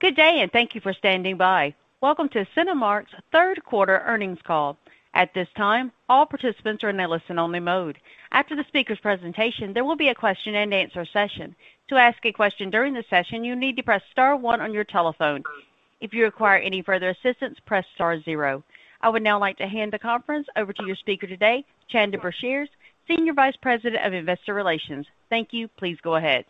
Good day, and thank you for standing by. Welcome to Cinemark's Third Quarter Earnings Call. At this time, all participants are in a listen-only mode. After the speaker's presentation, there will be a question-and-answer session. To ask a question during the session, you need to press star one on your telephone. If you require any further assistance, press star zero. I would now like to hand the conference over to your speaker today, Chanda Brashears, Senior Vice President of Investor Relations. Thank you. Please go ahead.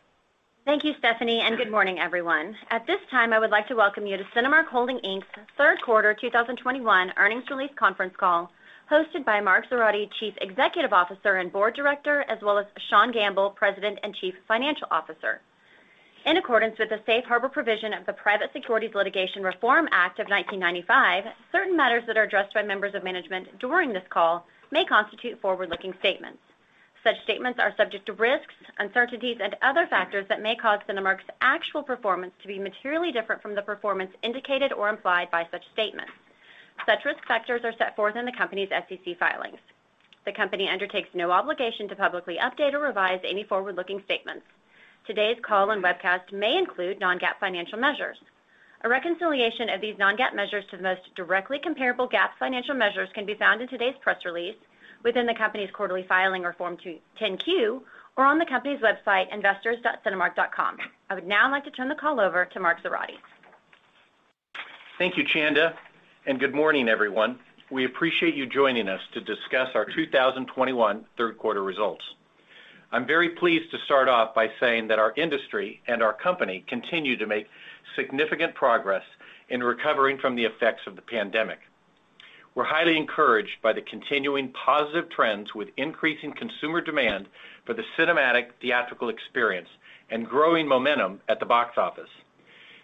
Thank you, Stephanie, and good morning, everyone. At this time, I would like to welcome you to Cinemark Holdings, Inc.'s third quarter 2021 earnings release conference call hosted by Mark Zoradi, Chief Executive Officer and Board Director, as well as Sean Gamble, President and Chief Financial Officer. In accordance with the safe harbor provision of the Private Securities Litigation Reform Act of 1995, certain matters that are addressed by members of management during this call may constitute forward-looking statements. Such statements are subject to risks, uncertainties, and other factors that may cause Cinemark's actual performance to be materially different from the performance indicated or implied by such statements. Such risk factors are set forth in the company's SEC filings. The company undertakes no obligation to publicly update or revise any forward-looking statements. Today's call and webcast may include non-GAAP financial measures. A reconciliation of these non-GAAP measures to the most directly comparable GAAP financial measures can be found in today's press release within the company's quarterly filing or Form 10-Q or on the company's website, investors.cinemark.com. I would now like to turn the call over to Mark Zoradi. Thank you, Chanda, and good morning, everyone. We appreciate you joining us to discuss our 2021 third quarter results. I'm very pleased to start off by saying that our industry and our company continue to make significant progress in recovering from the effects of the pandemic. We're highly encouraged by the continuing positive trends with increasing consumer demand for the cinematic theatrical experience and growing momentum at the box office.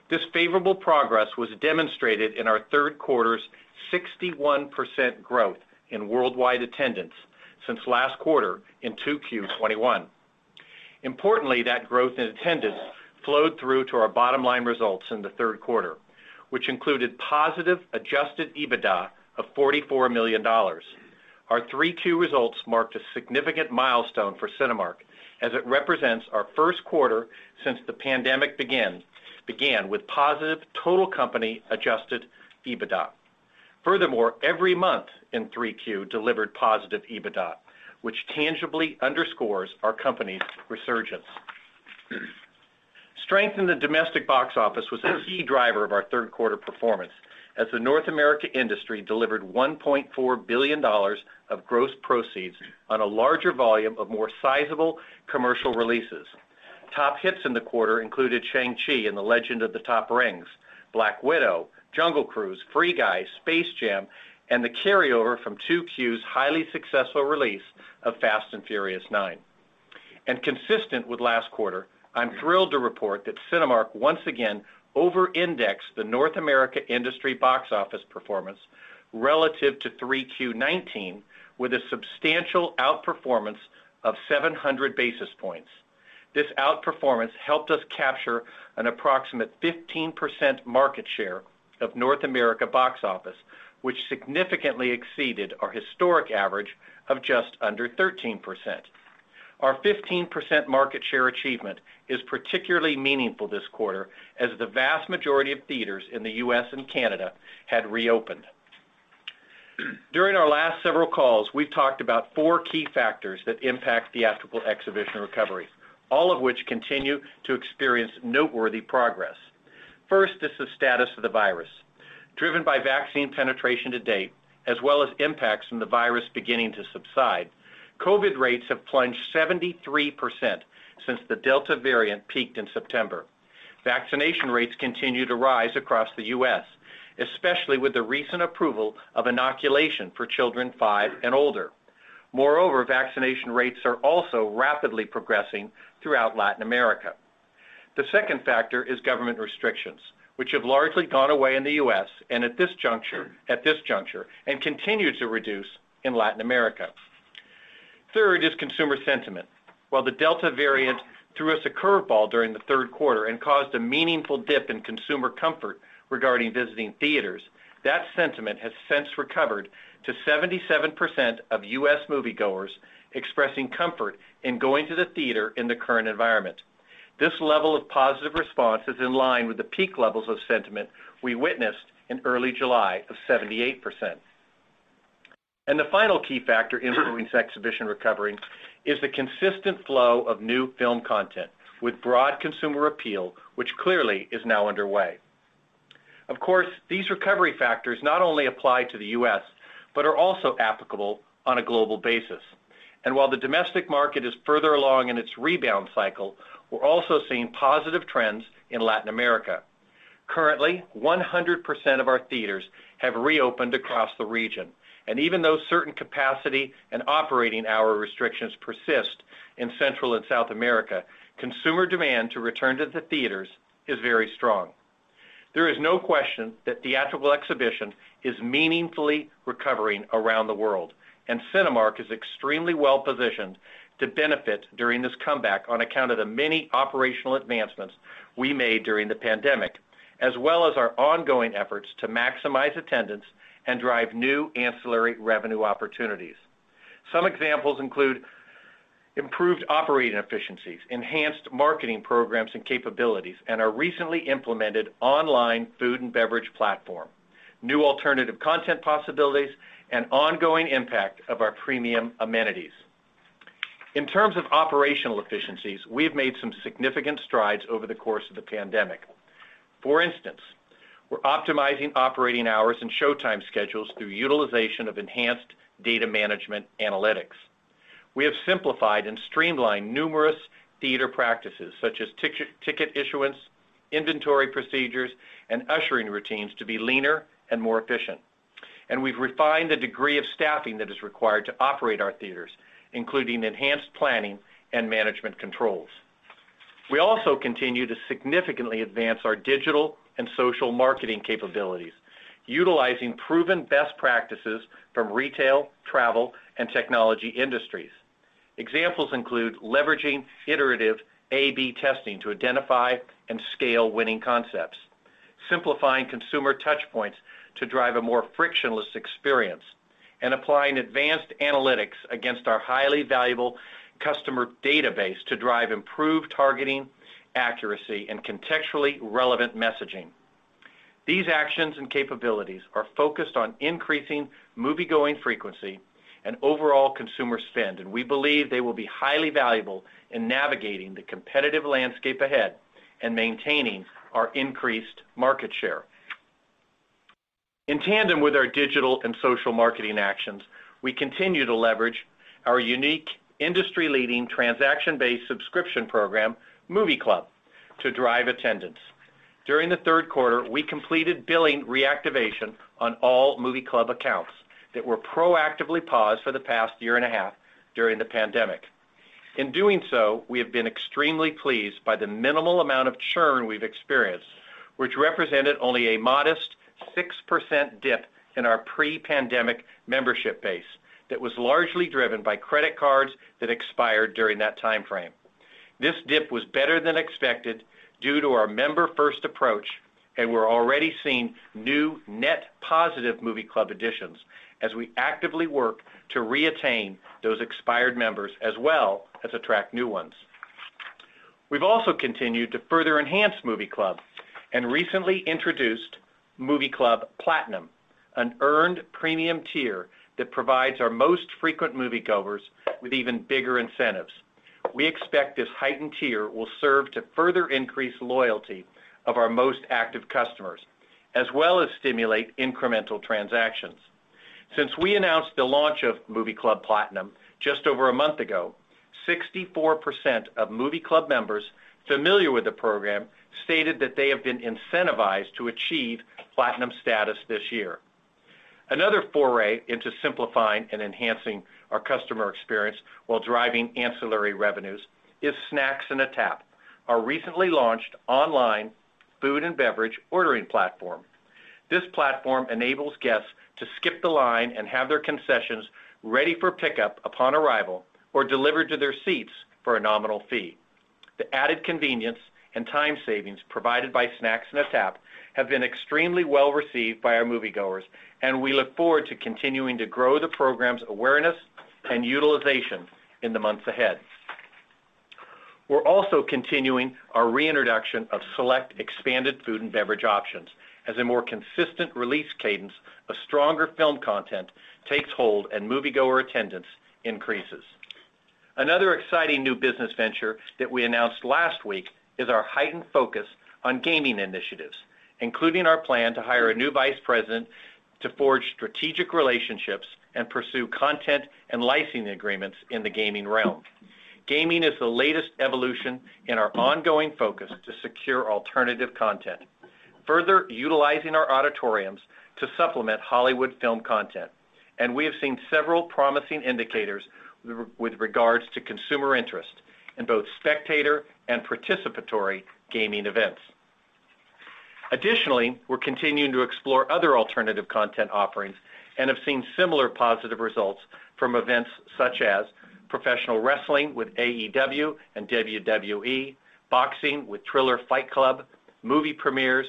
This favorable progress was demonstrated in our third quarter's 61% growth in worldwide attendance since last quarter in 2Q 2021. Importantly, that growth in attendance flowed through to our bottom-line results in the third quarter, which included positive Adjusted EBITDA of $44 million. Our 3Q results marked a significant milestone for Cinemark as it represents our first quarter since the pandemic began with positive total company Adjusted EBITDA. Furthermore, every month in Q3 delivered positive EBITDA, which tangibly underscores our company's resurgence. Strength in the domestic box office was a key driver of our third quarter performance as the North America industry delivered $1.4 billion of gross proceeds on a larger volume of more sizable commercial releases. Top hits in the quarter included Shang-Chi and the Legend of the Ten Rings, Black Widow, Jungle Cruise, Free Guy, Space Jam, and the carryover from 2Q's highly successful release of Fast & Furious 9. Consistent with last quarter, I'm thrilled to report that Cinemark once again over-indexed the North America industry box office performance relative to Q3 2019 with a substantial outperformance of 700 basis points. This outperformance helped us capture an approximate 15% market share of North America box office, which significantly exceeded our historic average of just under 13%. Our 15% market share achievement is particularly meaningful this quarter as the vast majority of theaters' in the U.S. and Canada had reopened. During our last several calls, we've talked about four key factors that impact theatrical exhibition recovery, all of which continue to experience noteworthy progress. First is the status of the virus. Driven by vaccine penetration to date, as well as impacts from the virus beginning to subside, COVID rates have plunged 73% since the Delta variant peaked in September. Vaccination rates continue to rise across the U.S., especially with the recent approval of inoculation for children five and older. Moreover, vaccination rates are also rapidly progressing throughout Latin America. The second factor is government restrictions, which have largely gone away in the U.S. and at this juncture and continue to reduce in Latin America. Third is consumer sentiment. While the Delta variant threw us a curve ball during the third quarter and caused a meaningful dip in consumer comfort regarding visiting theaters, that sentiment has since recovered to 77% of U.S. moviegoers expressing comfort in going to the theater in the current environment. This level of positive response is in line with the peak levels of sentiment we witnessed in early July of 78%. The final key factor influencing exhibition recovery is the consistent flow of new film content with broad consumer appeal which clearly is now underway. Of course, these recovery factors not only apply to the U.S., but are also applicable on a global basis. While the domestic market is further along in its rebound cycle, we're also seeing positive trends in Latin America. Currently, 100% of our theaters have reopened across the region. Even though certain capacity and operating hour restrictions persist in Central and South America, consumer demand to return to the theaters is very strong. There is no question that theatrical exhibition is meaningfully recovering around the world and Cinemark is extremely well-positioned to benefit during this comeback on account of the many operational advancements we made during the pandemic, as well as our ongoing efforts to maximize attendance and drive new ancillary revenue opportunities. Some examples include improved operating efficiencies, enhanced marketing programs and capabilities, and our recently implemented online food and beverage platform, new alternative content possibilities, and ongoing impact of our premium amenities. In terms of operational efficiencies, we have made some significant strides over the course of the pandemic. For instance, we're optimizing operating hours and showtime schedules through utilization of enhanced data management analytics. We have simplified and streamlined numerous theater practices such as tick-ticket issuance, inventory procedures, and ushering routines to be leaner and more efficient. We've refined the degree of staffing that is required to operate our theaters, including enhanced planning and management controls. We also continue to significantly advance our digital and social marketing capabilities, utilizing proven best practices from retail, travel, and technology industries. Examples include leveraging iterative A/B testing to identify and scale winning concepts, simplifying consumer touch points to drive a more frictionless experience, and applying advanced analytics against our highly valuable customer database to drive improved targeting accuracy and contextually relevant messaging. These actions and capabilities are focused on increasing moviegoing frequency and overall consumer spend and we believe they will be highly valuable in navigating the competitive landscape ahead and maintaining our increased market share. In tandem with our digital and social marketing actions, we continue to leverage our unique industry-leading transaction-based subscription program, Movie Club, to drive attendance. During the third quarter, we completed billing reactivation on all Movie Club accounts that were proactively paused for the past year and a half during the pandemic. In doing so, we have been extremely pleased by the minimal amount of churn we've experienced which represented only a modest 6% dip in our pre-pandemic membership base that was largely driven by credit cards that expired during that time frame. This dip was better than expected due to our member-first approach, and we're already seeing new net positive Movie Club additions as we actively work to re-attain those expired members as well as attract new ones. We've also continued to further enhance Movie Club and recently introduced Movie Club Platinum, an earned premium tier that provides our most frequent moviegoers with even bigger incentives. We expect this heightened tier will serve to further increase loyalty of our most active customers, as well as stimulate incremental transactions. Since we announced the launch of Movie Club Platinum just over a month ago, 64% of Movie Club members familiar with the program stated that they have been incentivized to achieve platinum status this year. Another foray into simplifying and enhancing our customer experience while driving ancillary revenues is Snacks in a Tap, our recently launched online food and beverage ordering platform. This platform enables guests to skip the line and have their concessions ready for pickup upon arrival or delivered to their seats for a nominal fee. The added convenience and time savings provided by Snacks in a Tap have been extremely well-received by our moviegoers and we look forward to continuing to grow the program's awareness and utilization in the months ahead. We're also continuing our reintroduction of select expanded food and beverage options as a more consistent release cadence of stronger film content takes hold and moviegoer attendance increases. Another exciting new business venture that we announced last week is our heightened focus on gaming initiatives, including our plan to hire a new vice president to forge strategic relationships and pursue content and licensing agreements in the gaming realm. Gaming is the latest evolution in our ongoing focus to secure alternative content, further utilizing our auditoriums to supplement Hollywood film content, and we have seen several promising indicators with regards to consumer interest in both spectator and participatory gaming events. Additionally, we're continuing to explore other alternative content offerings and have seen similar positive results from events such as professional wrestling with AEW and WWE, boxing with Triller Fight Club, movie premieres,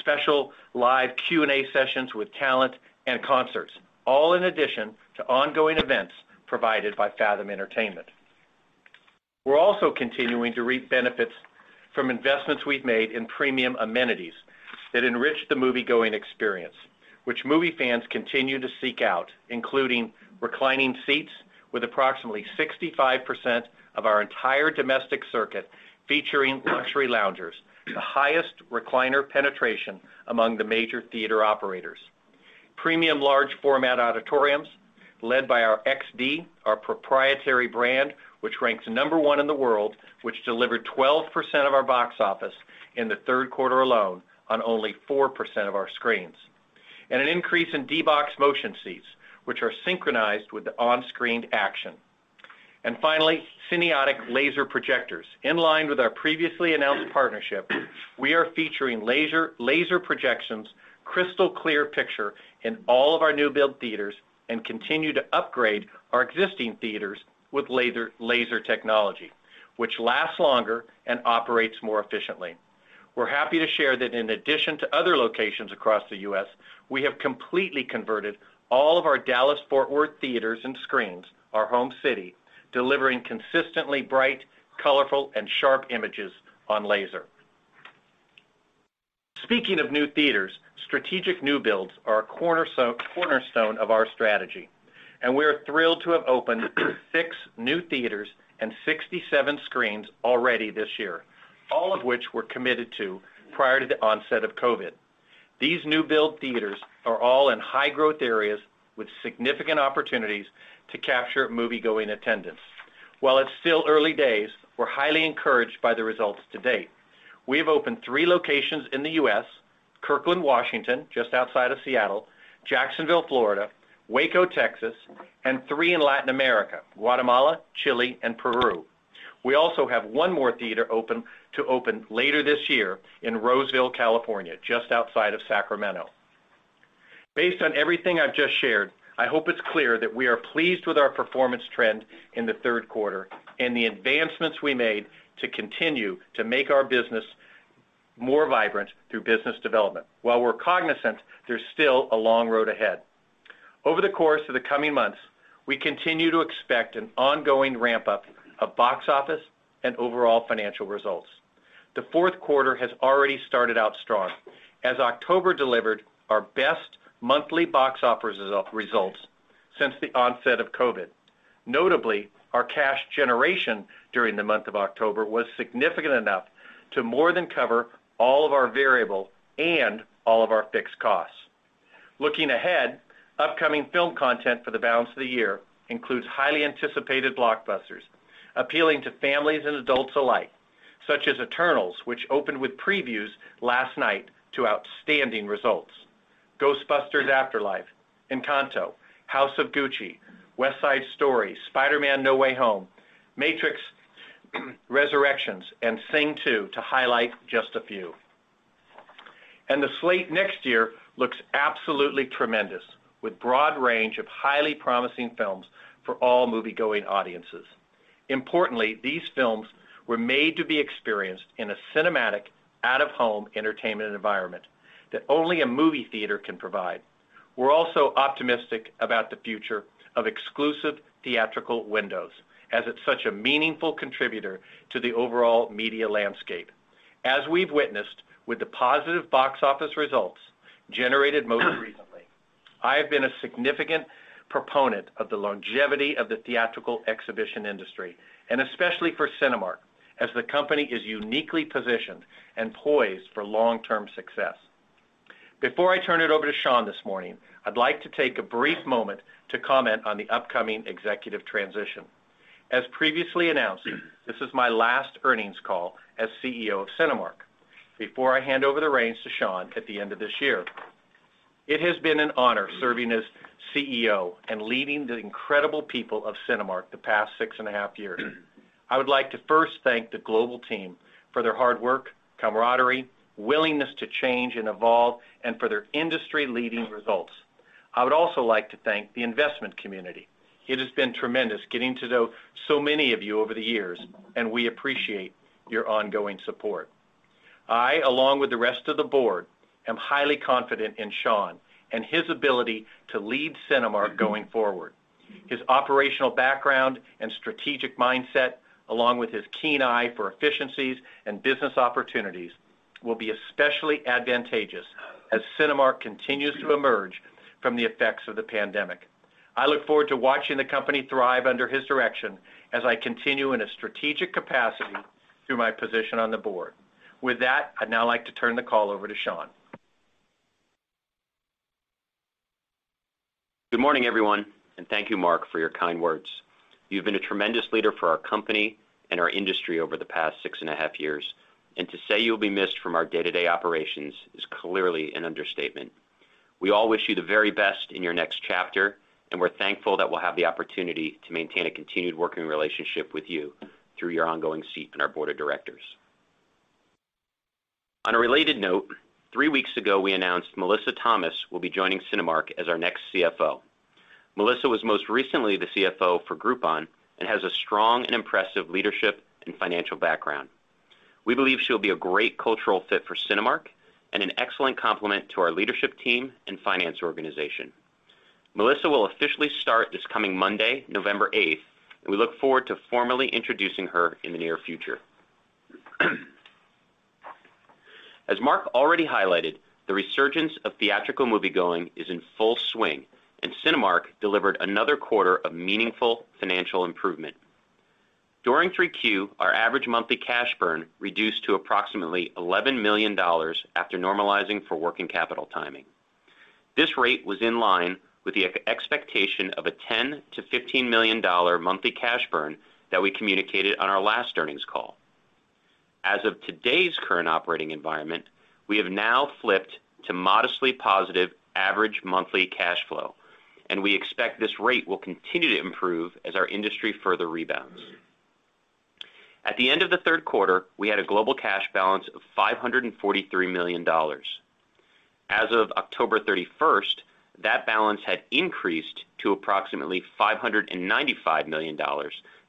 special live Q&A sessions with talent and concerts, all in addition to ongoing events provided by Fathom Entertainments. We're also continuing to reap benefits from investments we've made in premium amenities that enrich the moviegoing experience, which movie fans continue to seek out, including reclining seats with approximately 65% of our entire domestic circuit featuring luxury loungers, the highest recliner penetration among the major theater operators. Premium large-format auditoriums led by our XD, our proprietary brand which ranks number one in the world, which delivered 12% of our box office in the third quarter alone on only 4% of our screens. An increase in D-BOX motion seats, which are synchronized with the on-screen action. Finally, Cinionic laser projectors. In line with our previously announced partnership, we are featuring laser projections, crystal-clear picture in all of our new build theaters, and continue to upgrade our existing theaters with laser technology which lasts longer and operates more efficiently. We're happy to share that in addition to other locations across the U.S., we have completely converted all of our Dallas-Fort Worth theaters and screens, our home city, delivering consistently bright, colorful, and sharp images on laser. Speaking of new theaters, strategic new builds are a cornerstone of our strategy, and we are thrilled to have opened six new theaters and 67 screens already this year, all of which were committed to prior to the onset of COVID. These new build theaters are all in high-growth areas with significant opportunities to capture moviegoing attendance. While it's still early days, we're highly encouraged by the results to date. We have opened three locations in the U.S., Kirkland, Washington, just outside of Seattle, Jacksonville, Florida, Waco, Texas, and three in Latin America, Guatemala, Chile, and Peru. We also have one more theater to open later this year in Roseville, California, just outside of Sacramento. Based on everything I've just shared, I hope it's clear that we are pleased with our performance trend in the third quarter and the advancements we made to continue to make our business more vibrant through business development while we're cognizant there's still a long road ahead. Over the course of the coming months, we continue to expect an ongoing ramp-up of box office and overall financial results. The fourth quarter has already started out strong as October delivered our best monthly box office results since the onset of COVID. Notably, our cash generation during the month of October was significant enough to more than cover all of our variable and all of our fixed costs. Looking ahead, upcoming film content for the balance of the year includes highly anticipated blockbusters appealing to families and adults alike, such as Eternals, which opened with previews last night to outstanding results. Ghostbusters: Afterlife, Encanto, House of Gucci, West Side Story, Spider-Man: No Way Home, The Matrix Resurrections, and Sing 2 to highlight just a few. The slate next year looks absolutely tremendous with broad range of highly promising films for all moviegoing audiences. Importantly, these films were made to be experienced in a cinematic, out-of-home entertainment environment that only a movie theater can provide. We're also optimistic about the future of exclusive theatrical windows, as it's such a meaningful contributor to the overall media landscape. As we've witnessed with the positive box office results generated most recently, I have been a significant proponent of the longevity of the theatrical exhibition industry and especially for Cinemark, as the company is uniquely positioned and poised for long-term success. Before I turn it over to Sean this morning, I'd like to take a brief moment to comment on the upcoming executive transition. As previously announced, this is my last earnings call as CEO of Cinemark before I hand over the reins to Sean at the end of this year. It has been an honor serving as CEO and leading the incredible people of Cinemark the past six and a half years. I would like to first thank the global team for their hard work, camaraderie, willingness to change and evolve, and for their industry-leading results. I would also like to thank the investment community. It has been tremendous getting to know so many of you over the years, and we appreciate your ongoing support. I, along with the rest of the board, am highly confident in Sean and his ability to lead Cinemark going forward. His operational background and strategic mindset, along with his keen eye for efficiencies and business opportunities, will be especially advantageous as Cinemark continues to emerge from the effects of the pandemic. I look forward to watching the company thrive under his direction as I continue in a strategic capacity through my position on the board. With that, I'd now like to turn the call over to Sean. Good morning, everyone, and thank you, Mark, for your kind words. You've been a tremendous leader for our company and our industry over the past six and a half years. To say you'll be missed from our day-to-day operations is clearly an understatement. We all wish you the very best in your next chapter, and we're thankful that we'll have the opportunity to maintain a continued working relationship with you through your ongoing seat in our board of directors. On a related note, three weeks ago, we announced Melissa Thomas will be joining Cinemark as our next CFO. Melissa was most recently the CFO for Groupon and has a strong and impressive leadership and financial background. We believe she'll be a great cultural fit for Cinemark and an excellent complement to our leadership team and finance organization. Melissa will officially start this coming Monday, November 8, and we look forward to formally introducing her in the near future. As Mark already highlighted, the resurgence of theatrical moviegoing is in full swing, and Cinemark delivered another quarter of meaningful financial improvement. During Q3, our average monthly cash burn reduced to approximately $11 million after normalizing for working capital timing. This rate was in line with the expectation of a $10 million to $15 million monthly cash burn that we communicated on our last earnings call. As of today's current operating environment, we have now flipped to modestly positive average monthly cash flow, and we expect this rate will continue to improve as our industry further rebounds. At the end of the third quarter, we had a global cash balance of $543 million. As of October 31, that balance had increased to approximately $595 million,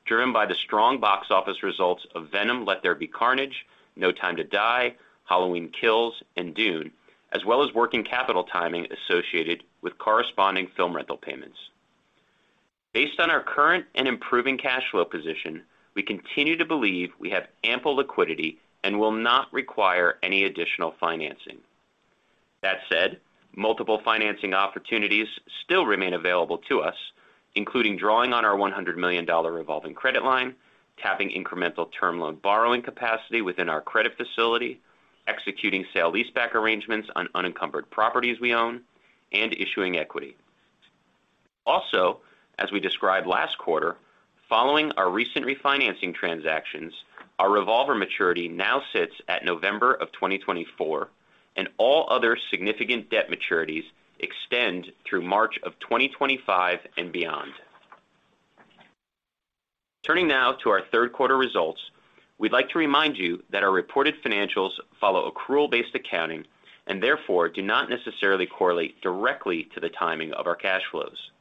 driven by the strong box office results of Venom: Let There Be Carnage, No Time to Die, Halloween Kills, and Dune, as well as working capital timing associated with corresponding film rental payments. Based on our current and improving cash flow position, we continue to believe we have ample liquidity and will not require any additional financing. That said, multiple financing opportunities still remain available to us, including drawing on our $100 million revolving credit line, tapping incremental term loan borrowing capacity within our credit facility, executing sale leaseback arrangements on unencumbered properties we own, and issuing equity. As we described last quarter, following our recent refinancing transactions, our revolver maturity now sits at November 2024, and all other significant debt maturities extend through March 2025 and beyond. Turning now to our third quarter results, we'd like to remind you that our reported financials follow accrual-based accounting and therefore do not necessarily correlate directly to the timing of our cash flows.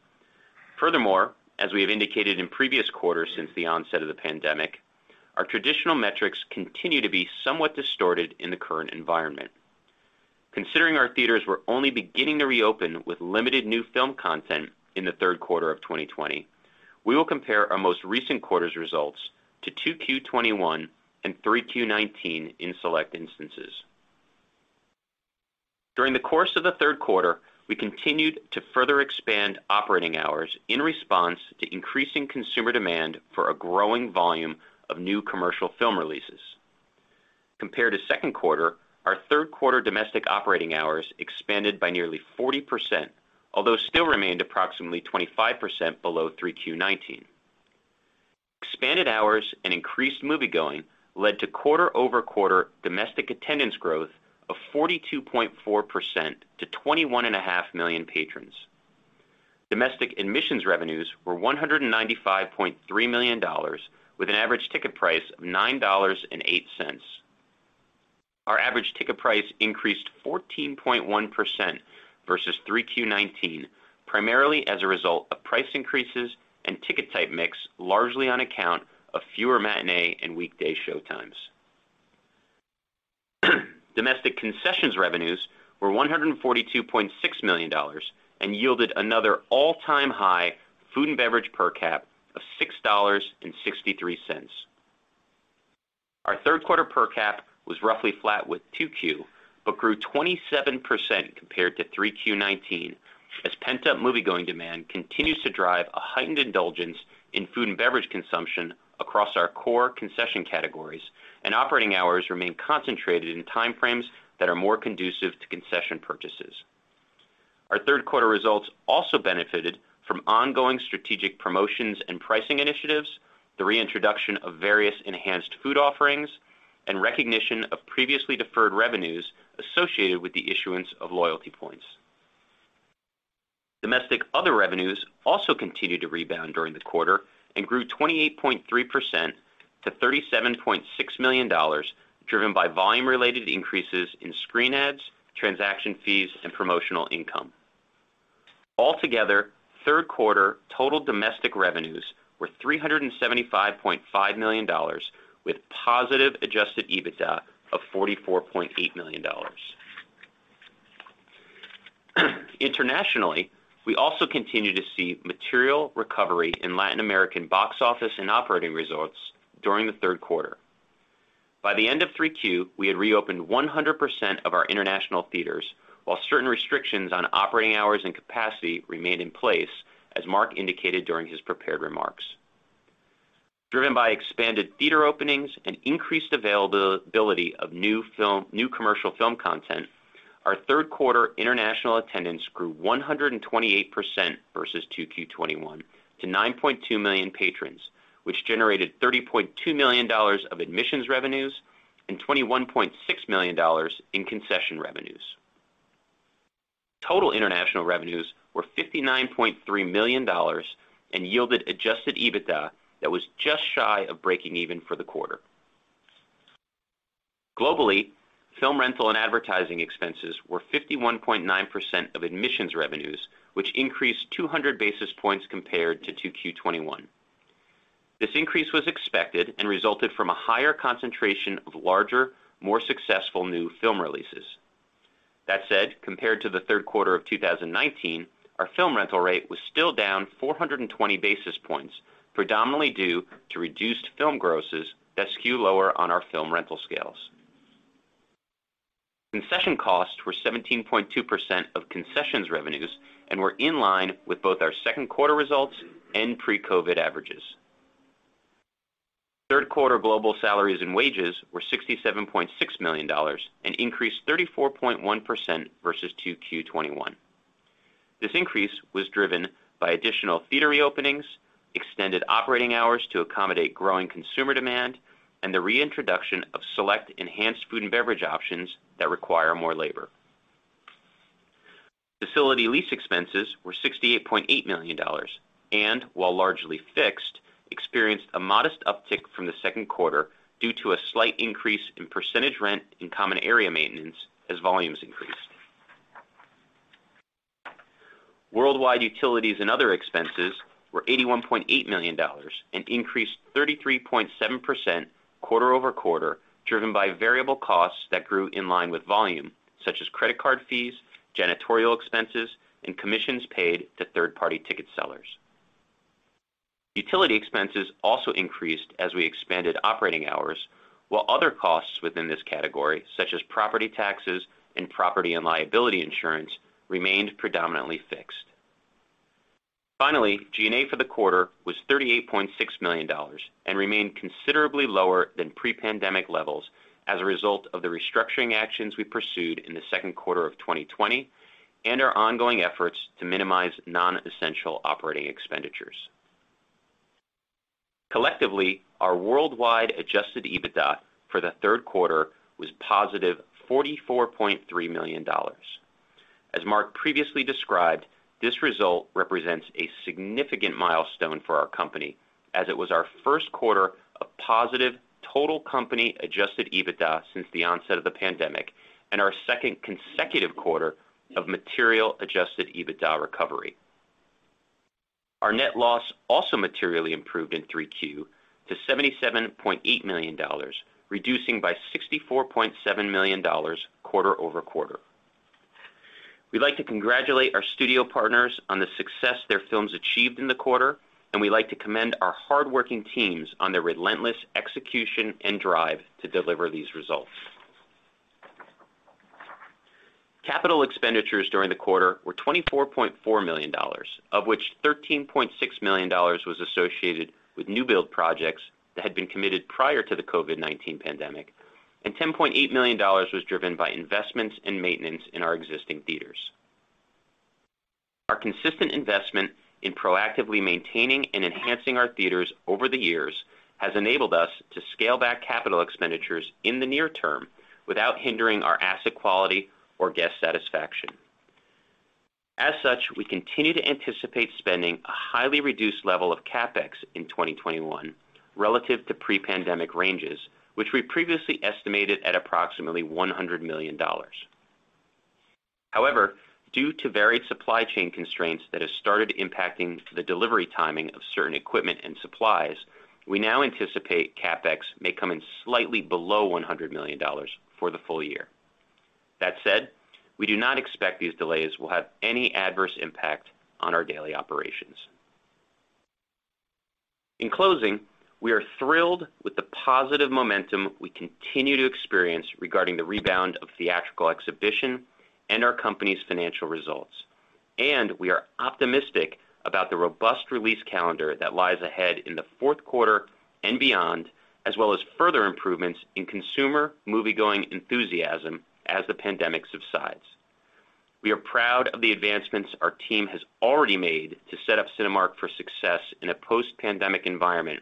Furthermore, as we have indicated in previous quarters since the onset of the pandemic, our traditional metrics continue to be somewhat distorted in the current environment. Considering our theaters were only beginning to reopen with limited new film content in the third quarter of 2020, we will compare our most recent quarter's results to 2Q, 2021 and 3Q, 2019 in select instances. During the course of the third quarter, we continued to further expand operating hours in response to increasing consumer demand for a growing volume of new commercial film releases. Compared to second quarter, our third quarter domestic operating hours expanded by nearly 40%, although still remained approximately 25% below 3Q, 2019. Expanded hours and increased moviegoing led to quarter-over-quarter domestic attendance growth of 42.4% to 21.5 million patrons. Domestic admissions revenues were $195.3 million, with an average ticket price of $9.08. Our average ticket price increased 14.1% versus 3Q, 2019 primarily as a result of price increases and ticket type mix, largely on account of fewer matinee and weekday showtimes. Domestic concessions revenues were $142.6 million and yielded another all-time high food and beverage per cap of $6.63. Our third quarter per cap was roughly flat with 2Q, but grew 27% compared to 3Q, 2019 as pent-up moviegoing demand continues to drive a heightened indulgence in food and beverage consumption across our core concession categories and operating hours remain concentrated in time frames that are more conducive to concession purchases. Our third quarter results also benefited from ongoing strategic promotions and pricing initiatives, the reintroduction of various enhanced food offerings, and recognition of previously deferred revenues associated with the issuance of loyalty points. Domestic other revenues also continued to rebound during the quarter and grew 28.3% to $37.6 million, driven by volume-related increases in screen ads, transaction fees, and promotional income. Altogether, third quarter total domestic revenues were $375.5 million, with positive Adjusted EBITDA of $44.8 million. Internationally, we also continued to see material recovery in Latin American box office and operating results during the third quarter. By the end of Q3, we had reopened 100% of our international theaters while certain restrictions on operating hours and capacity remained in place, as Mark indicated during his prepared remarks. Driven by expanded theater openings and increased availability of new commercial film content, our third quarter international attendance grew 128% versus 2Q, 2021 to 9.2 million patrons which generated $30.2 million of admissions revenues and $21.6 million in concession revenues. Total international revenues were $59.3 million and yielded Adjusted EBITDA that was just shy of breaking even for the quarter. Globally, film rental and advertising expenses were 51.9% of admissions revenues which increased 200 basis points compared to 2Q, 2021. This increase was expected and resulted from a higher concentration of larger, more successful new film releases. That said, compared to the third quarter of 2019, our film rental rate was still down 420 basis points, predominantly due to reduced film grosses that skew lower on our film rental scales. Concession costs were 17.2% of concessions revenues and were in line with both our second quarter results and pre-COVID averages. Third quarter global salaries and wages were $67.6 million, an increase 34.1% versus 2Q, 2021. This increase was driven by additional theater re-openings, extended operating hours to accommodate growing consumer demand and the reintroduction of select enhanced food and beverage options that require more labor. Facility lease expenses were $68.8 million, and while largely fixed, experienced a modest uptick from the second quarter due to a slight increase in percentage rent and common area maintenance as volumes increased. Worldwide utilities and other expenses were $81.8 million and increased 33.7% quarter-over-quarter, driven by variable costs that grew in line with volume, such as credit card fees, janitorial expenses, and commissions paid to third-party ticket sellers. Utility expenses also increased as we expanded operating hours, while other costs within this category, such as property taxes and property and liability insurance, remained predominantly fixed. Finally, G&A for the quarter was $38.6 million and remained considerably lower than pre-pandemic levels as a result of the restructuring actions we pursued in the second quarter of 2020 and our ongoing efforts to minimize non-essential operating expenditures. Collectively, our worldwide Adjusted EBITDA for the third quarter was positive $44.3 million. As Mark previously described, this result represents a significant milestone for our company as it was our first quarter of positive total company Adjusted EBITDA since the onset of the pandemic and our second consecutive quarter of material Adjusted EBITDA recovery. Our net loss also materially improved in Q3 to $77.8 million, reducing by $64.7 million quarter-over-quarter. We'd like to congratulate our studio partners on the success their films achieved in the quarter and we like to commend our hardworking teams on their relentless execution and drive to deliver these results. Capital expenditures during the quarter were $24.4 million, of which $13.6 million was associated with new build projects that had been committed prior to the COVID-19 pandemic, and $10.8 million was driven by investments and maintenance in our existing theaters. Our consistent investment in proactively maintaining and enhancing our theaters over the years has enabled us to scale back capital expenditures in the near term without hindering our asset quality or guest satisfaction. As such, we continue to anticipate spending a highly reduced level of CapEx in 2021 relative to pre-pandemic ranges which we previously estimated at approximately $100 million. However, due to varied supply chain constraints that have started impacting the delivery timing of certain equipment and supplies, we now anticipate CapEx may come in slightly below $100 million for the full year. That said, we do not expect these delays will have any adverse impact on our daily operations. In closing, we are thrilled with the positive momentum we continue to experience regarding the rebound of theatrical exhibition and our company's financial results. We are optimistic about the robust release calendar that lies ahead in the fourth quarter and beyond, as well as further improvements in consumer moviegoing enthusiasm as the pandemic subsides. We are proud of the advancements our team has already made to set up Cinemark for success in a post-pandemic environment,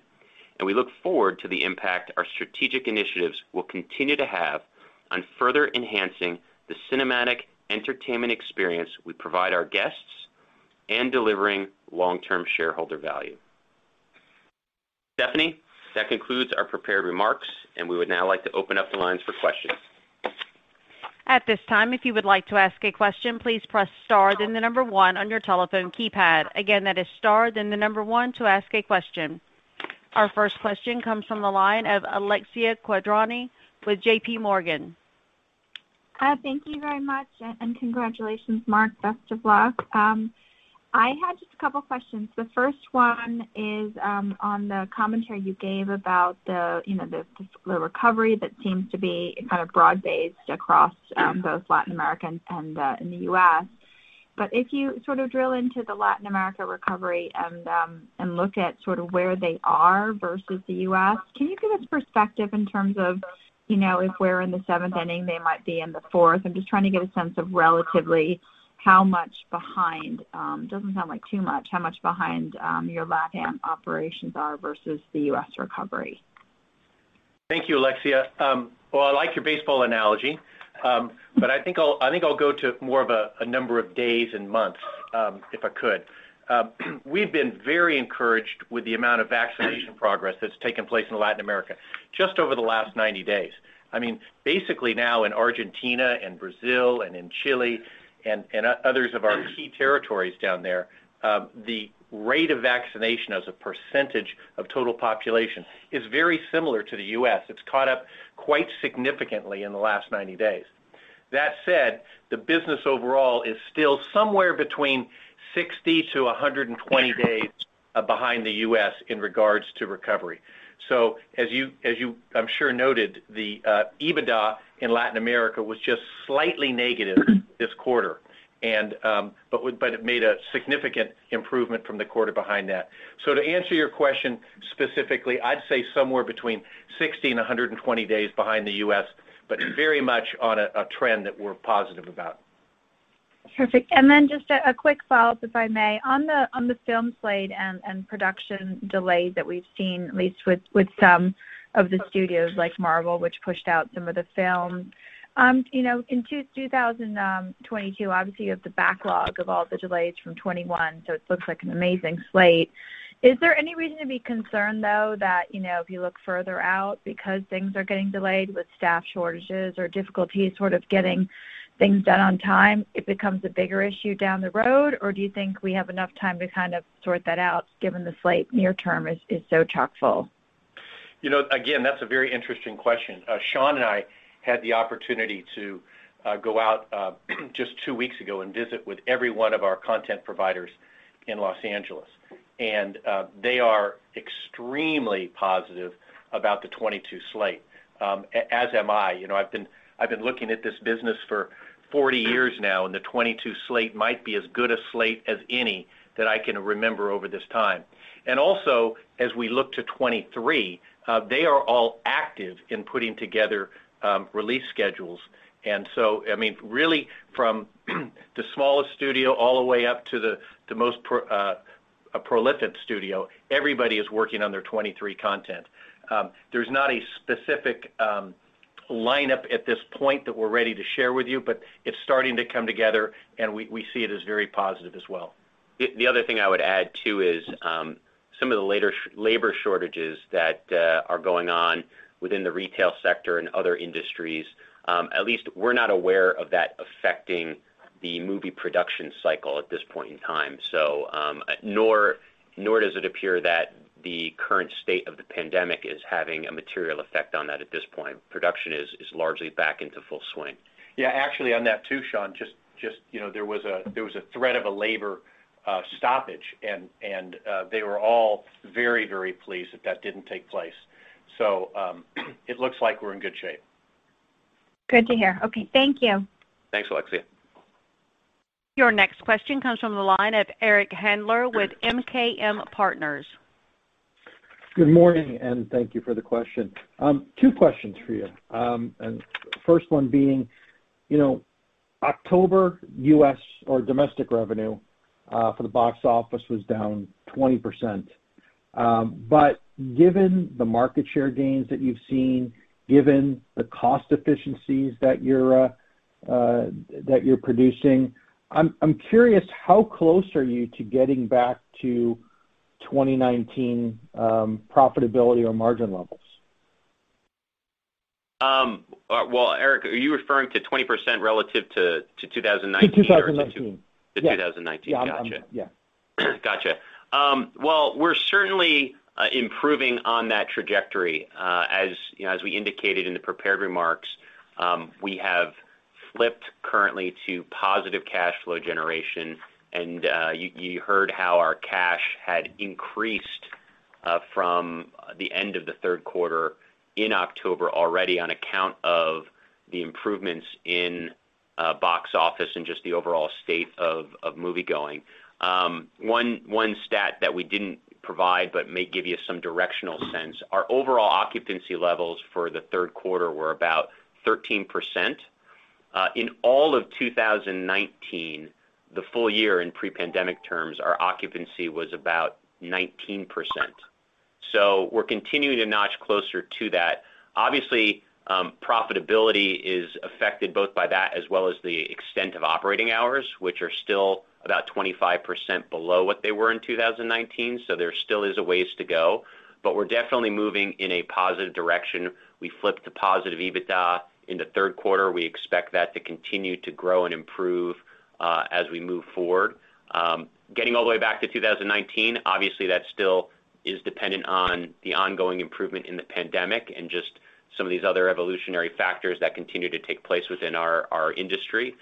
and we look forward to the impact our strategic initiatives will continue to have on further enhancing the cinematic entertainment experience we provide our guests and delivering long-term shareholder value. Stephanie, that concludes our prepared remarks, and we would now like to open up the lines for questions. Our first question comes from the line of Alexia Quadrani with JPMorgan. Hi, thank you very much, and congratulations, Mark. Best of luck. I had just a couple of questions. The first one is, on the commentary you gave about the, you know, the recovery that seems to be kind of broad-based across both Latin America and the U.S., but if you sort of drill into the Latin America recovery and look at sort of where they are versus the U.S., can you give us perspective in terms of, you know, if we're in the seventh inning, they might be in the fourth? I'm just trying to get a sense of relatively how much behind, it doesn't sound like too much, your LatAm operations are versus the U.S. recovery. Thank you, Alexia. Well, I like your baseball analogy but I think I'll go to more of a number of days and months, if I could. We've been very encouraged with the amount of vaccination progress that's taken place in Latin America just over the last 90 days. I mean, basically now in Argentina and Brazil and in Chile and others of our key territories down there, the rate of vaccination as a percentage of total population is very similar to the U.S. It's caught up quite significantly in the last 90 days. That said, the business overall is still somewhere between 60 to 120 days behind the U.S. in regards to recovery. As you I'm sure noted, the EBITDA in Latin America was just slightly negative this quarter and but it made a significant improvement from the quarter behind that. To answer your question specifically, I'd say somewhere between 60 and 120 days behind the U.S., but very much on a trend that we're positive about. Perfect. Just a quick follow-up, if I may. On the film slate and production delays that we've seen at least with some of the studios like Marvel, which pushed out some of the films. You know, in 2022, obviously you have the backlog of all the delays from 2021, so it looks like an amazing slate. Is there any reason to be concerned though that, you know, if you look further out, because things are getting delayed with staff shortages or difficulties sort of getting things done on time, it becomes a bigger issue down the road? Do you think we have enough time to kind of sort that out given the slate near term is so chock-full? You know, again, that's a very interesting question. Sean and I had the opportunity to go out just two weeks ago and visit with everyone of our content providers in Los Angeles. They are extremely positive about the 2022 slate, as am I. You know, I've been looking at this business for 40 years now and the 2022 slate might be as good a slate as any that I can remember over this time. Also, as we look to 2023, they are all active in putting together release schedules. I mean, really from the smallest studio all the way up to the most prolific studio, everybody is working on their 2023 content. There's not a specific line-up at this point that we're ready to share with you but it's starting to come together and we see it as very positive as well. The other thing I would add, too, is some of the latter labor shortages that are going on within the retail sector and other industries. At least we're not aware of that affecting the movie production cycle at this point in time nor does it appear that the current state of the pandemic is having a material effect on that at this point. Production is largely back into full swing. Yeah. Actually on that too, Sean, just you know, there was a threat of a labor stoppage and they were all very, very pleased that that didn't take place. So it looks like we're in good shape. Good to hear. Okay, thank you. Thanks, Alexia. Your next question comes from the line of Eric Handler with MKM Partners. Good morning, and thank you for the question. Two questions for you. First one being, you know, October U.S. or domestic revenue for the box office was down 20%. Given the market share gains that you've seen, given the cost efficiencies that you're producing, I'm curious, how close are you to getting back to 2019 profitability or margin levels? Eric, are you referring to 20% relative to 2019? 2019. 2019. Yeah. I'm yeah. Gotcha. Well, we're certainly improving on that trajectory. As you know, as we indicated in the prepared remarks, we have flipped currently to positive cash flow generation. You heard how our cash had increased from the end of the third quarter in October already on account of the improvements in box office and just the overall state of moviegoing. One stat that we didn't provide but may give you some directional sense, our overall occupancy levels for the third quarter were about 13%. In all of 2019, the full year in pre-pandemic terms, our occupancy was about 19%. We're continuing to notch closer to that. Obviously, profitability is affected both by that as well as the extent of operating hours, which are still about 25% below what they were in 2019. There still is a ways to go but we're definitely moving in a positive direction. We flipped to positive EBITDA in the third quarter. We expect that to continue to grow and improve, as we move forward. Getting all the way back to 2019, obviously, that still is dependent on the ongoing improvement in the pandemic and just some of these other evolutionary factors that continue to take place within our industry.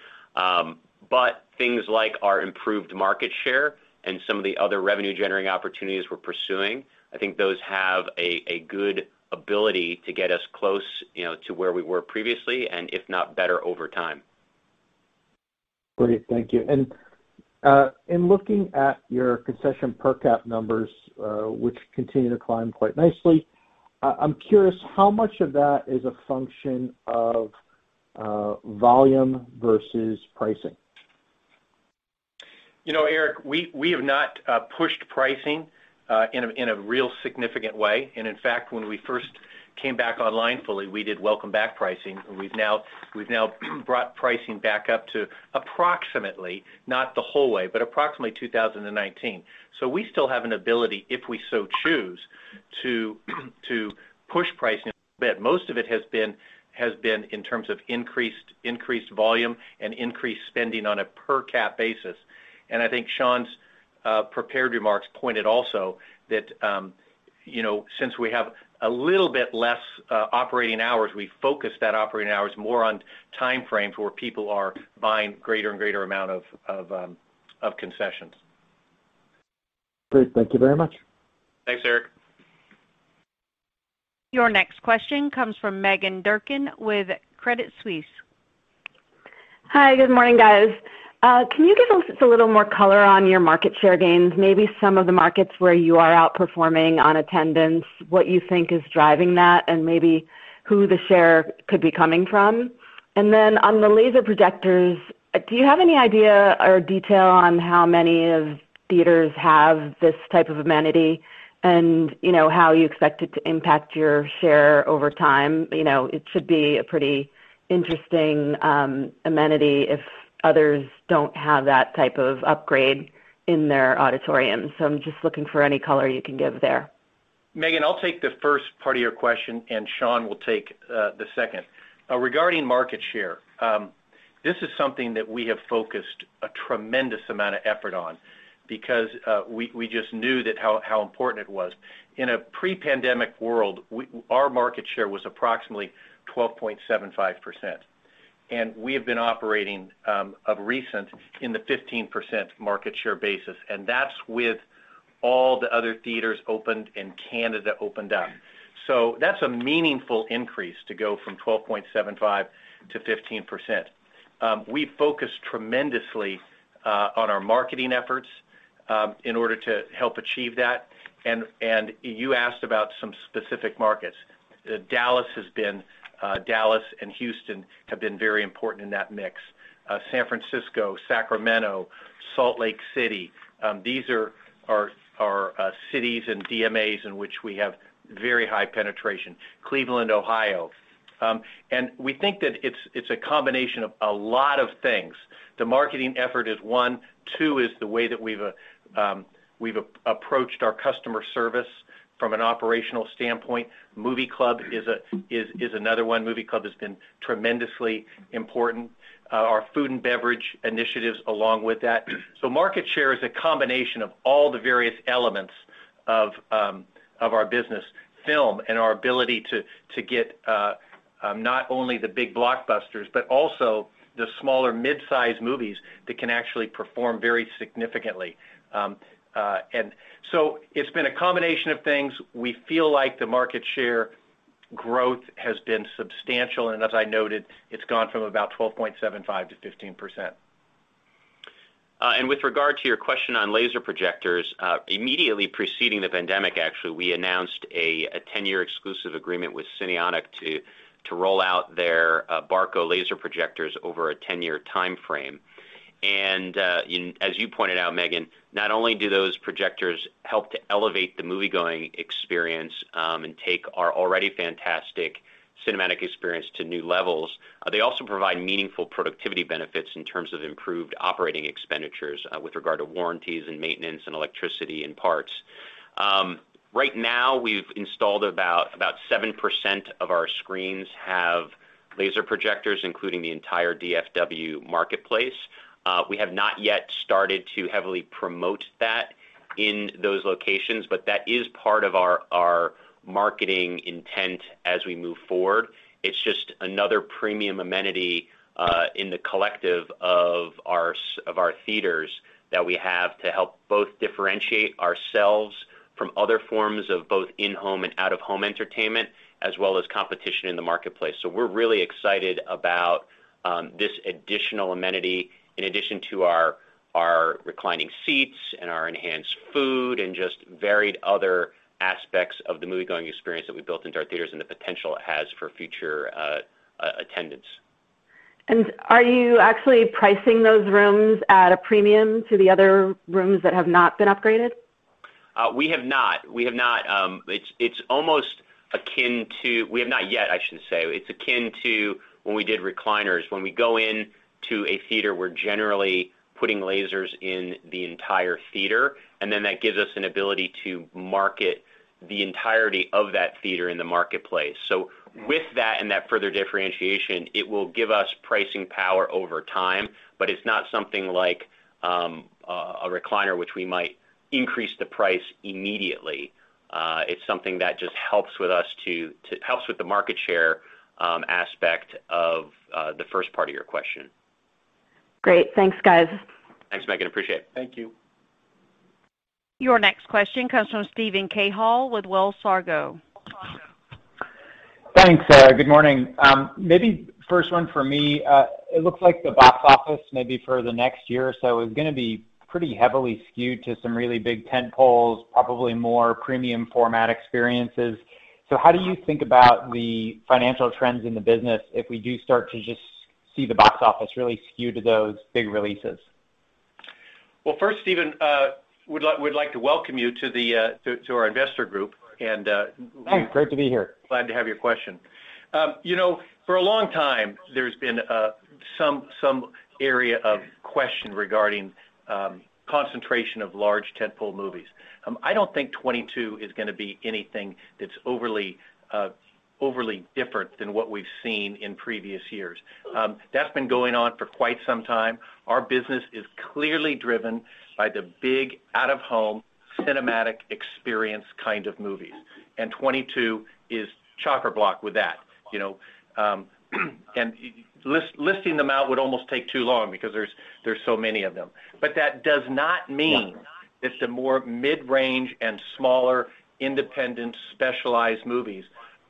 Things like our improved market share and some of the other revenue-generating opportunities we're pursuing, I think those have a good ability to get us close, you know, to where we were previously and if not better over time. Great. Thank you. In looking at your concession per cap numbers which continue to climb quite nicely, I'm curious how much of that is a function of volume versus pricing? You know, Eric, we have not pushed pricing in a real significant way. In fact, when we first came back online fully, we did welcome back pricing and we've now brought pricing back up to approximately not the whole way but approximately 2019. We still have an ability, if we so choose to push pricing a bit. Most of it has been in terms of increased volume and increased spending on a per cap basis. I think Sean's prepared remarks pointed also that, you know, since we have a little bit less operating hours, we focus that operating hours more on timeframes where people are buying greater and greater amount of concessions. Great. Thank you very much. Thanks, Eric. Your next question comes from Meghan Durkin with Credit Suisse. Hi. Good morning, guys. Just a little more color on your market share gains, maybe some of the markets where you are outperforming on attendance, what you think is driving that and maybe who the share could be coming from. Then on the laser projectors, do you have any idea or detail on how many of theaters have this type of amenity and, you know, how you expect it to impact your share over time? You know, it should be a pretty interesting amenity if others don't have that type of upgrade in their auditorium. I'm just looking for any color you can give there. Meghan, I'll take the first part of your question, and Sean will take the second. Regarding market share, this is something that we have focused a tremendous amount of effort on because we just knew how important it was. In a pre-pandemic world, our market share was approximately 12.75%, and we have been operating recently in the 15% market share basis, and that's with all the other theaters opened and Canada opened up. That's a meaningful increase to go from 12.75%-15%. We focused tremendously on our marketing efforts in order to help achieve that. You asked about some specific markets. Dallas and Houston have been very important in that mix. San Francisco, Sacramento, Salt Lake City, these are cities and DMAs in which we have very high penetration. Cleveland, Ohio. We think that it's a combination of a lot of things. The marketing effort is one. Two is the way that we've approached our customer service from an operational standpoint. Movie Club is another one. Movie Club has been tremendously important. Our food and beverage initiatives along with that. Market share is a combination of all the various elements of our business. Film and our ability to get not only the big blockbusters, but also the smaller mid-size movies that can actually perform very significantly. It's been a combination of things. We feel like the market share growth has been substantial, and as I noted, it's gone from about 12.75%-15%. With regard to your question on laser projectors, immediately preceding the pandemic, actually, we announced a 10-year exclusive agreement with Cinionic to roll out their Barco laser projectors over a 10-year timeframe. As you pointed out, Meghan, not only do those projectors help to elevate the moviegoing experience and take our already fantastic cinematic experience to new levels, they also provide meaningful productivity benefits in terms of improved operating expenditures with regard to warranties and maintenance and electricity and parts. Right now, we've installed about 7% of our screens have laser projectors, including the entire DFW marketplace. We have not yet started to heavily promote that in those locations but that is part of our marketing intent as we move forward. It's just another premium amenity in the collective of our theaters that we have to help both differentiate ourselves from other forms of both in-home and out-of-home entertainment, as well as competition in the marketplace. We're really excited about this additional amenity in addition to our reclining seats and our enhanced food and just varied other aspects of the moviegoing experience that we built into our theaters and the potential it has for future attendance. Are you actually pricing those rooms at a premium to the other rooms that have not been upgraded? We have not yet, I should say. It's akin to when we did recliners. When we go into a theater, we're generally putting lasers in the entire theater, and then that gives us an ability to market the entirety of that theater in the marketplace. With that and that further differentiation, it will give us pricing power over time, but it's not something like a recliner which we might increase the price immediately. It's something that just helps with the market share aspect of the first part of your question. Great. Thanks, guys. Thanks, Meghan, appreciate it. Thank you. Your next question comes from Steven Cahall with Wells Fargo. Thanks. Good morning. Maybe first one for me. It looks like the box office, maybe for the next year or so, is gonna be pretty heavily skewed to some really big tentpoles, probably more premium format experiences. How do you think about the financial trends in the business if we do start to just see the box office really skew to those big releases? Well, first, Steven, we'd like to welcome you to our investor group. Oh, great to be here. Glad to have your question. You know, for a long time, there's been some area of question regarding concentration of large tentpole movies. I don't think 2022 is gonna be anything that's overly different than what we've seen in previous years. That's been going on for quite some time. Our business is clearly driven by the big out-of-home cinematic experience kind of movies and 2022 is chock-a-block with that, you know? Listing them out would almost take too long because there's so many of them but that does not mean the more mid-range and smaller independent specialized movies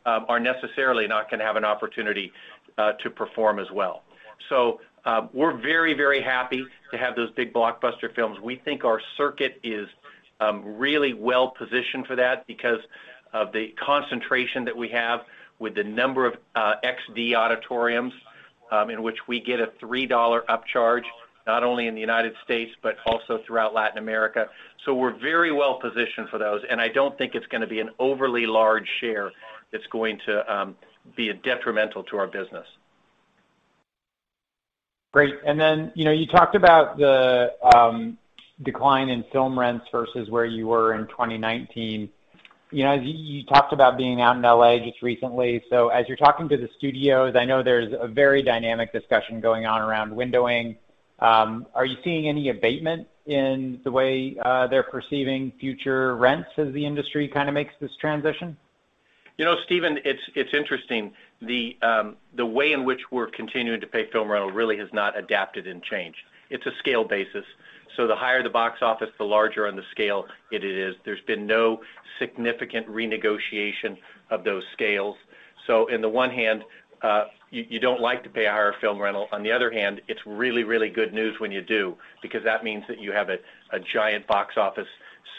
are necessarily not gonna have an opportunity to perform as well. We're very, very happy to have those big blockbuster films. We think our circuit is really well-positioned for that because of the concentration that we have with the number of XD auditoriums in which we get a $3 upcharge, not only in the United States, but also throughout Latin America. We're very well-positioned for those, and I don't think it's gonna be an overly large share that's going to be detrimental to our business. Great. You know, you talked about the decline in film rents versus where you were in 2019. You know, you talked about being out in L.A. just recently. As you're talking to the studios, I know there's a very dynamic discussion going on around windowing. Are you seeing any abatement in the way they're perceiving future rents as the industry kind of makes this transition? You know, Steven, it's interesting. The way in which we're continuing to pay film rental really has not adapted and changed. It's a scale basis, so the higher the box office, the larger on the scale it is. There's been no significant renegotiation of those scales. On the one hand, you don't like to pay a higher film rental. On the other hand, it's really, really good news when you do because that means that you have a giant box office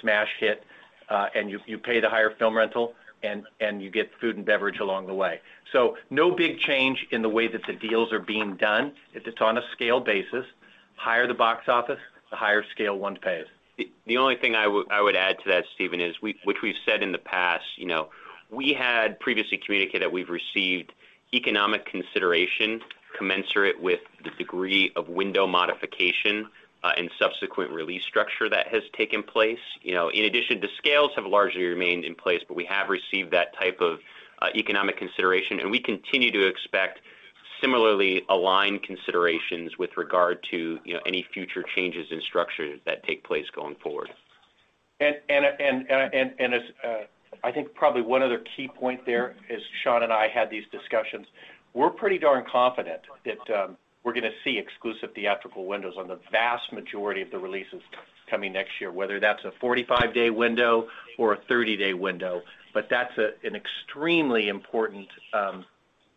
smash hit, and you pay the higher film rental and you get food and beverage along the way. No big change in the way that the deals are being done. It's on a scale basis. Higher the box office, the higher scale one pays. The only thing I would add to that, Steven, is, which we've said in the past, you know, we had previously communicated that we've received economic consideration commensurate with the degree of window modification and subsequent release structure that has taken place. You know, in addition, the scales have largely remained in place, but we have received that type of economic consideration, and we continue to expect similarly aligned considerations with regard to, you know, any future changes in structures that take place going forward. I think probably one other key point there, as Sean and I had these discussions, we're pretty darn confident that we're gonna see exclusive theatrical windows on the vast majority of the releases coming next year, whether that's a 45-day window or a 30-day window. That's an extremely important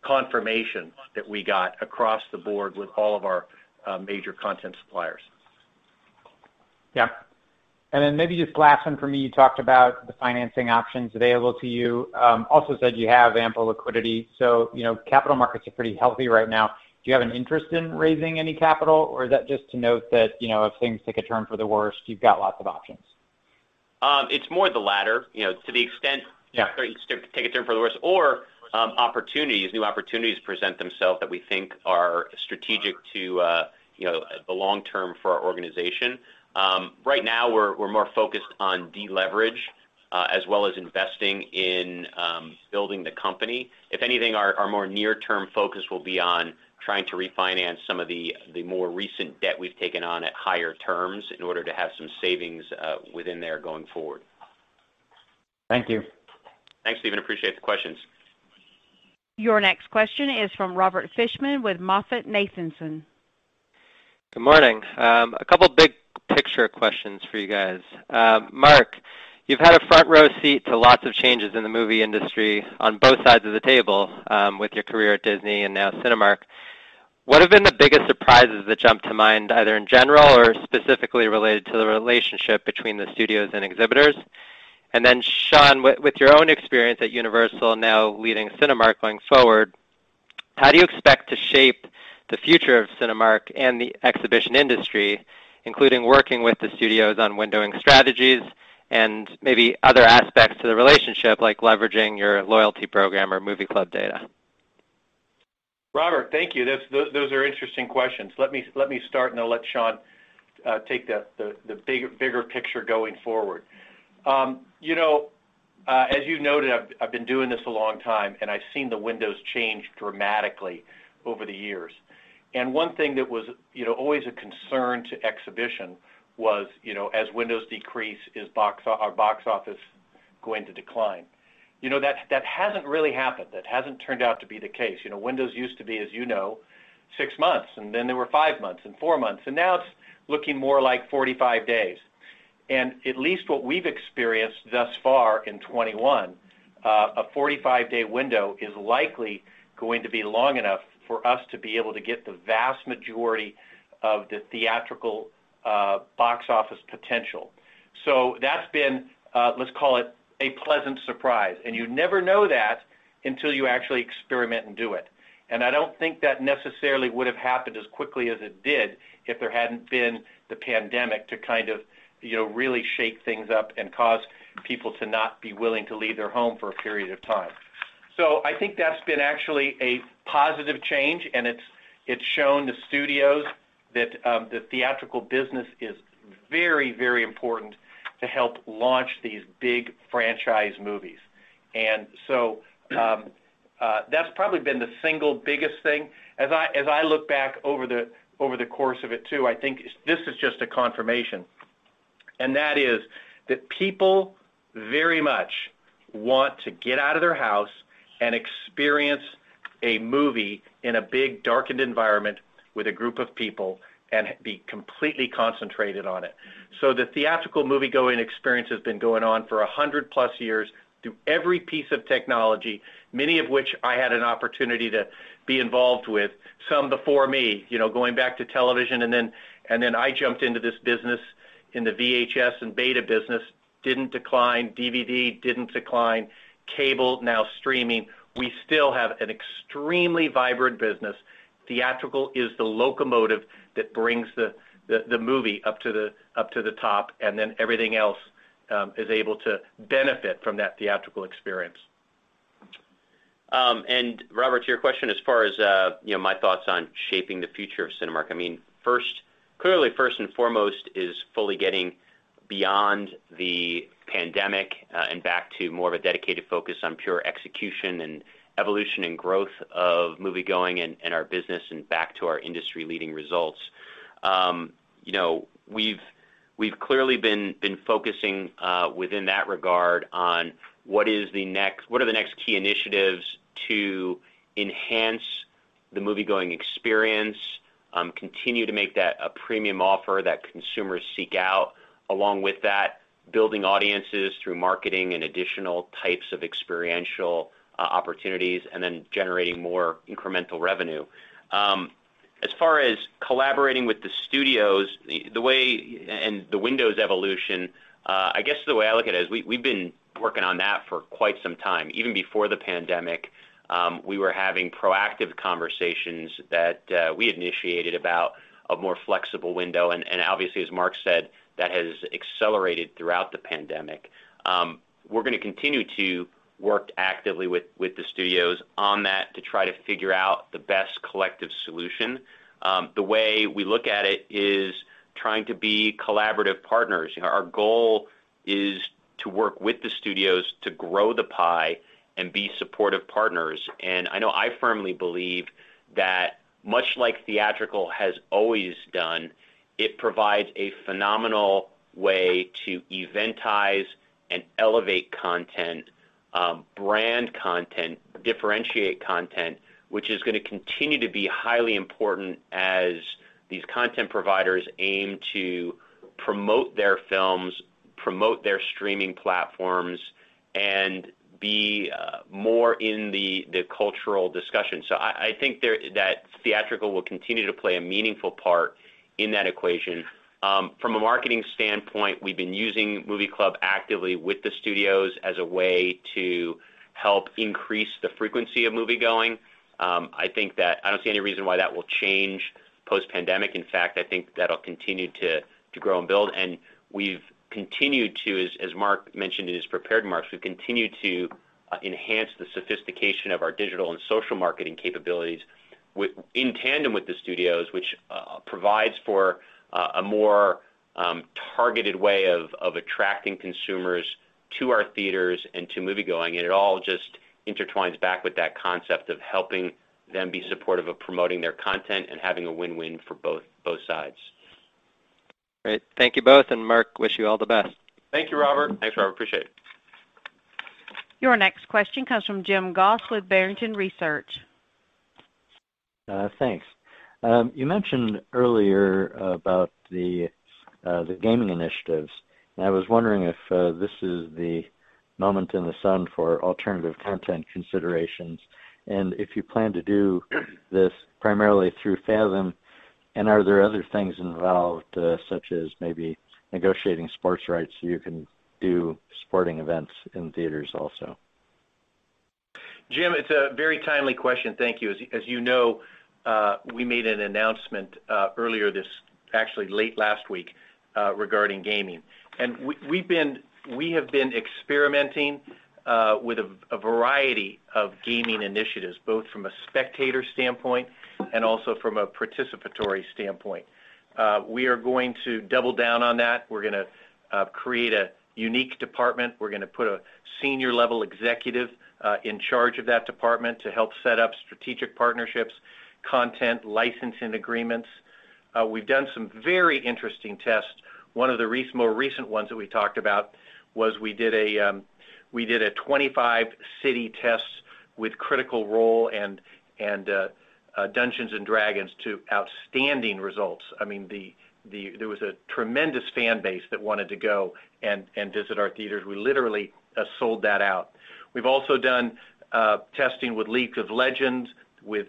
confirmation that we got across the board with all of our major content suppliers. Yeah. Maybe just last one from me. You talked about the financing options available to you. You also said you have ample liquidity. You know, capital markets are pretty healthy right now. Do you have an interest in raising any capital, or is that just to note that, you know, if things take a turn for the worse, you've got lots of options? It's more the latter, you know, to the extent. Yeah Things take a turn for the worst or opportunities, new opportunities present themselves that we think are strategic to, you know, the long term for our organization. Right now we're more focused on deleverage, as well as investing in building the company. If anything, our more near-term focus will be on trying to refinance some of the more recent debt we've taken on at higher terms in order to have some savings within there going forward. Thank you. Thanks, Steven. Appreciate the questions. Your next question is from Robert Fishman with MoffettNathanson. Good morning. A couple big picture questions for you guys. Mark, you've had a front row seat to lots of changes in the movie industry on both sides of the table with your career at Disney and now Cinemark. What have been the biggest surprises that jump to mind, either in general or specifically related to the relationship between the studios and exhibitors? Then, Sean, with your own experience at Universal, now leading Cinemark going forward, how do you expect to shape the future of Cinemark and the exhibition industry, including working with the studios on windowing strategies and maybe other aspects to the relationship, like leveraging your loyalty program or Movie Club data? Robert, thank you. Those are interesting questions. Let me start and then I'll let Sean take the bigger picture going forward. You know, as you noted, I've been doing this a long time and I've seen the windows change dramatically over the years. One thing that was, you know, always a concern to exhibition was, you know, as windows decrease, are box office going to decline? You know, that hasn't really happened. That hasn't turned out to be the case. You know, windows used to be, as you know, six months, and then they were five months, and four months, and now it's looking more like 45 days. At least what we've experienced thus far in 2021, a 45-day window is likely going to be long enough for us to be able to get the vast majority of the theatrical box office potential. That's been, let's call it, a pleasant surprise. You never know that until you actually experiment and do it. I don't think that necessarily would have happened as quickly as it did if there hadn't been the pandemic to kind of, you know, really shake things up and cause people to not be willing to leave their home for a period of time. I think that's been actually a positive change, and it's shown the studios that the theatrical business is very, very important to help launch these big franchise movies. That's probably been the single biggest thing. As I look back over the course of it too, I think this is just a confirmation, and that is that people very much want to get out of their house and experience a movie in a big darkened environment with a group of people and be completely concentrated on it. The theatrical moviegoing experience has been going on for 100-plus years through every piece of technology, many of which I had an opportunity to be involved with, some before me, you know, going back to television and then I jumped into this business in the VHS and beta business, didn't decline, DVD didn't decline, cable, now streaming. We still have an extremely vibrant business. Theatrical is the locomotive that brings the movie up to the top, and then everything else is able to benefit from that theatrical experience. Robert, to your question, as far as you know, my thoughts on shaping the future of Cinemark, I mean, clearly first and foremost is fully getting beyond the pandemic and back to more of a dedicated focus on pure execution and evolution and growth of moviegoing and our business and back to our industry-leading results. You know, we've clearly been focusing within that regard on what are the next key initiatives to enhance the moviegoing experience, continue to make that a premium offer that consumers seek out. Along with that, building audiences through marketing and additional types of experiential opportunities, and then generating more incremental revenue. As far as collaborating with the studios, the windows evolution, I guess the way I look at it is we've been working on that for quite some time. Even before the pandemic, we were having proactive conversations that we initiated about a more flexible window, and obviously, as Mark said, that has accelerated throughout the pandemic. We're gonna continue to work actively with the studios on that to try to figure out the best collective solution. The way we look at it is trying to be collaborative partners. Our goal is to work with the studios to grow the pie and be supportive partners. I know I firmly believe that much like theatrical has always done, it provides a phenomenal way to eventize and elevate content, brand content, differentiate content which is gonna continue to be highly important as these content providers aim to promote their films, promote their streaming platforms, and be more in the cultural discussion. I think that theatrical will continue to play a meaningful part in that equation. From a marketing standpoint, we've been using Movie Club actively with the studios as a way to help increase the frequency of moviegoing. I think that I don't see any reason why that will change post-pandemic. In fact, I think that'll continue to grow and build. We've continued to, as Mark mentioned in his prepared remarks, enhance the sophistication of our digital and social marketing capabilities in tandem with the studios which provides for a more targeted way of attracting consumers to our theaters and to moviegoing. It all just intertwines back with that concept of helping them be supportive of promoting their content and having a win-win for both sides. Great. Thank you both. Mark, wish you all the best. Thank you, Robert. Thanks, Robert. Appreciate it. Your next question comes from Jim Goss with Barrington Research. Thanks. You mentioned earlier about the gaming initiatives, and I was wondering if this is the moment in the sun for alternative content considerations and if you plan to do this primarily through Fathom, and are there other things involved, such as maybe negotiating sports rights, so you can do sporting events in theaters also? Jim, it's a very timely question. Thank you. As you know, we made an announcement earlier this actually late last week regarding gaming. We have been experimenting with a variety of gaming initiatives, both from a spectator standpoint and also from a participatory standpoint. We are going to double down on that. We're gonna create a unique department. We're gonna put a senior-level executive in charge of that department to help set up strategic partnerships, content licensing agreements. We've done some very interesting tests. One of the more recent ones that we talked about was we did a 25-city test with Critical Role and Dungeons & Dragons to outstanding results. I mean, there was a tremendous fan base that wanted to go and visit our theaters. We literally sold that out. We've also done testing with League of Legends, with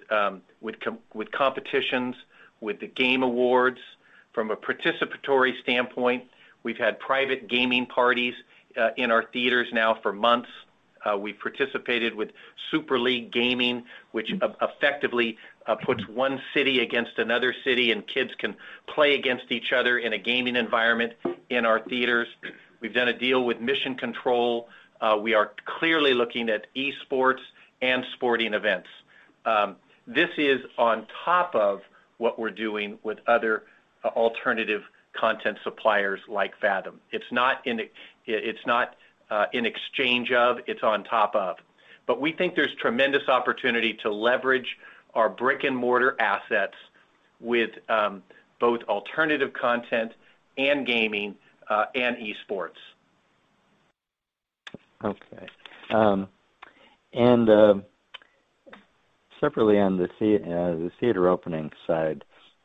competitions, with the Game Awards. From a participatory standpoint, we've had private gaming parties in our theaters now for months. We participated with Super League Gaming, which effectively puts one city against another city, and kids can play against each other in a gaming environment in our theaters. We've done a deal with Mission Control. We are clearly looking at esports and sporting events. This is on top of what we're doing with other alternative content suppliers like Fathom. It's not in exchange of, it's on top of. We think there's tremendous opportunity to leverage our brick-and-mortar assets with both alternative content and gaming, and esports. Separately on the theater opening side,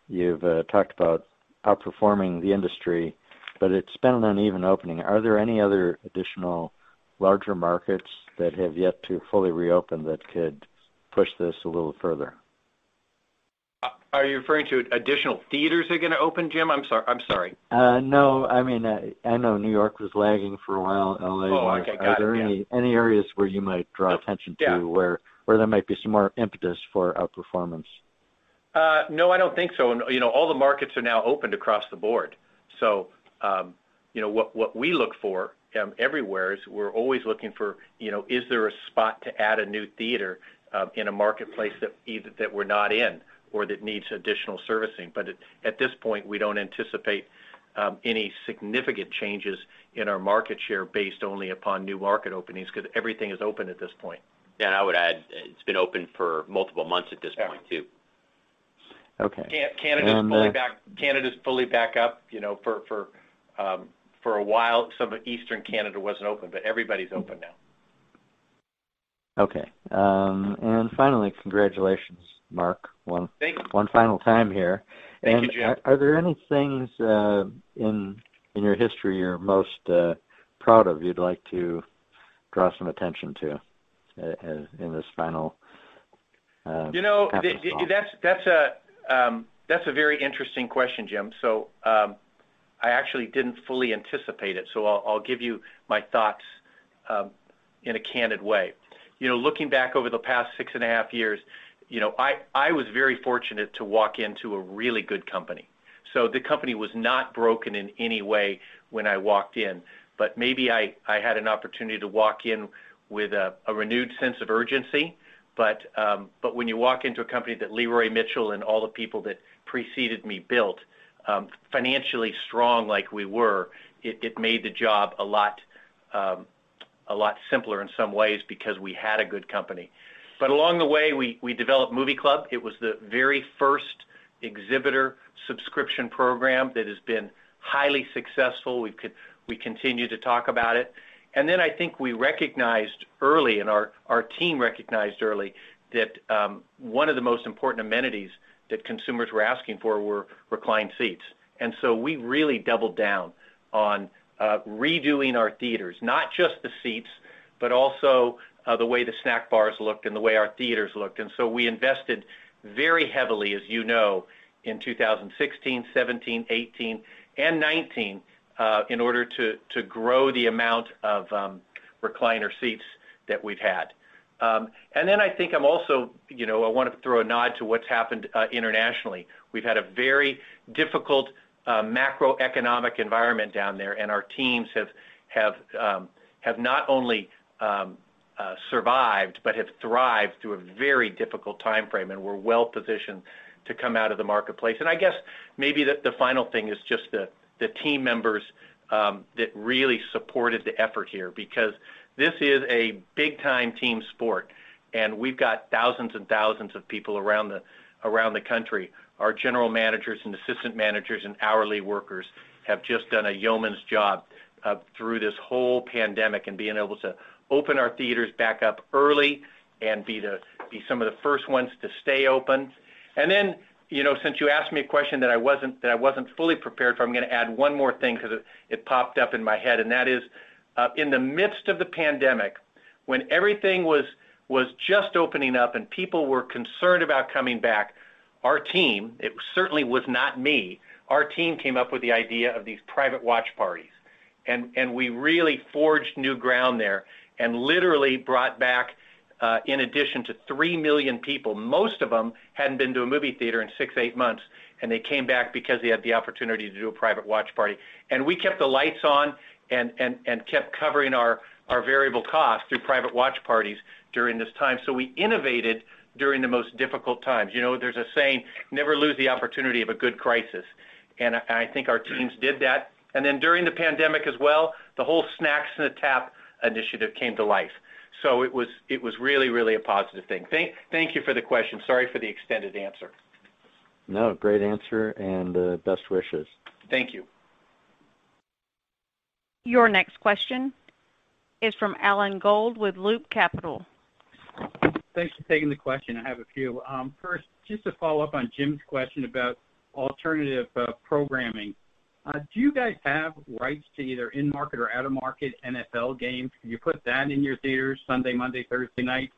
you've talked about outperforming the industry but it's been an uneven opening. Are there any other additional larger markets that have yet to fully reopen that could push this a little further? Are you referring to additional theaters that are gonna open, Jim? I'm sorry. No. I mean, I know New York was lagging for a while. L.A. was. Oh, okay. Got it. Yeah. Are there any areas where you might draw attention to? Yeah Where there might be some more impetus for outperformance? No, I don't think so. You know, all the markets are now opened across the board. You know, what we look for everywhere is we're always looking for, you know, is there a spot to add a new theater in a marketplace that either that we're not in or that needs additional servicing. At this point, we don't anticipate any significant changes in our market share based only upon new market openings because everything is open at this point. Yeah, I would add it's been open for multiple months at this point too. Okay. Canada is fully back up. For a while, some of Eastern Canada wasn't open, but everybody's open now. Okay. Finally, congratulations, Mark. Thank you. One final time here. Thank you, Jim. Are there any things in your history you're most proud of, you'd like to draw some attention to in this final episode? You know, that's a very interesting question, Jim. I actually didn't fully anticipate it, so I'll give you my thoughts in a candid way. You know, looking back over the past six and a half years, I was very fortunate to walk into a really good company. The company was not broken in any way when I walked in but maybe I had an opportunity to walk in with a renewed sense of urgency. When you walk into a company that Lee Roy Mitchell and all the people that preceded me built, financially strong like we were, it made the job a lot simpler in some ways because we had a good company. Along the way, we developed Movie Club. It was the very first exhibitor subscription program that has been highly successful. We continue to talk about it. Then I think we recognized early, our team recognized early that one of the most important amenities that consumers were asking for were reclined seats. We really doubled down on redoing our theaters. Not just the seats but also the way the snack bars looked and the way our theaters looked. We invested very heavily, as you know, in 2016, 2017, 2018, and 2019 in order to grow the amount of recliner seats that we've had. Then I think I'm also you know, I want to throw a nod to what's happened internationally. We've had a very difficult macroeconomic environment down there, and our teams have not only survived but have thrived through a very difficult timeframe and we're well-positioned to come out of the marketplace. I guess maybe the final thing is just the team members that really supported the effort here because this is a big-time team sport and we've got thousands and thousands of people around the country. Our general managers and assistant managers and hourly workers have just done a Yeoman's job through this whole pandemic and being able to open our theaters back up early and be some of the first ones to stay open. You know, since you asked me a question that I wasn't fully prepared for, I'm gonna add one more thing 'cause it popped up in my head, and that is, in the midst of the pandemic, when everything was just opening up and people were concerned about coming back, our team, it certainly was not me, our team came up with the idea of these private watch parties. We really forged new ground there and literally brought back, in addition to 3 million people, most of them hadn't been to a movie theater in six, eight months, and they came back because they had the opportunity to do a private watch party. We kept the lights on and kept covering our variable costs through private watch parties during this time. We innovated during the most difficult times. You know, there's a saying, ''Never lose the opportunity of a good crisis,'' and I think our teams did that. During the pandemic as well, the whole Snacks in a Tap initiative came to life. It was really a positive thing. Thank you for the question. Sorry for the extended answer. No, great answer and best wishes. Thank you. Your next question is from Alan Gould with Loop Capital. Thanks for taking the question. I have a few. First, just to follow up on Jim's question about alternative programming. Do you guys have rights to either in-market or out-of-market NFL games? Can you put that in your theaters Sunday, Monday, Thursday night?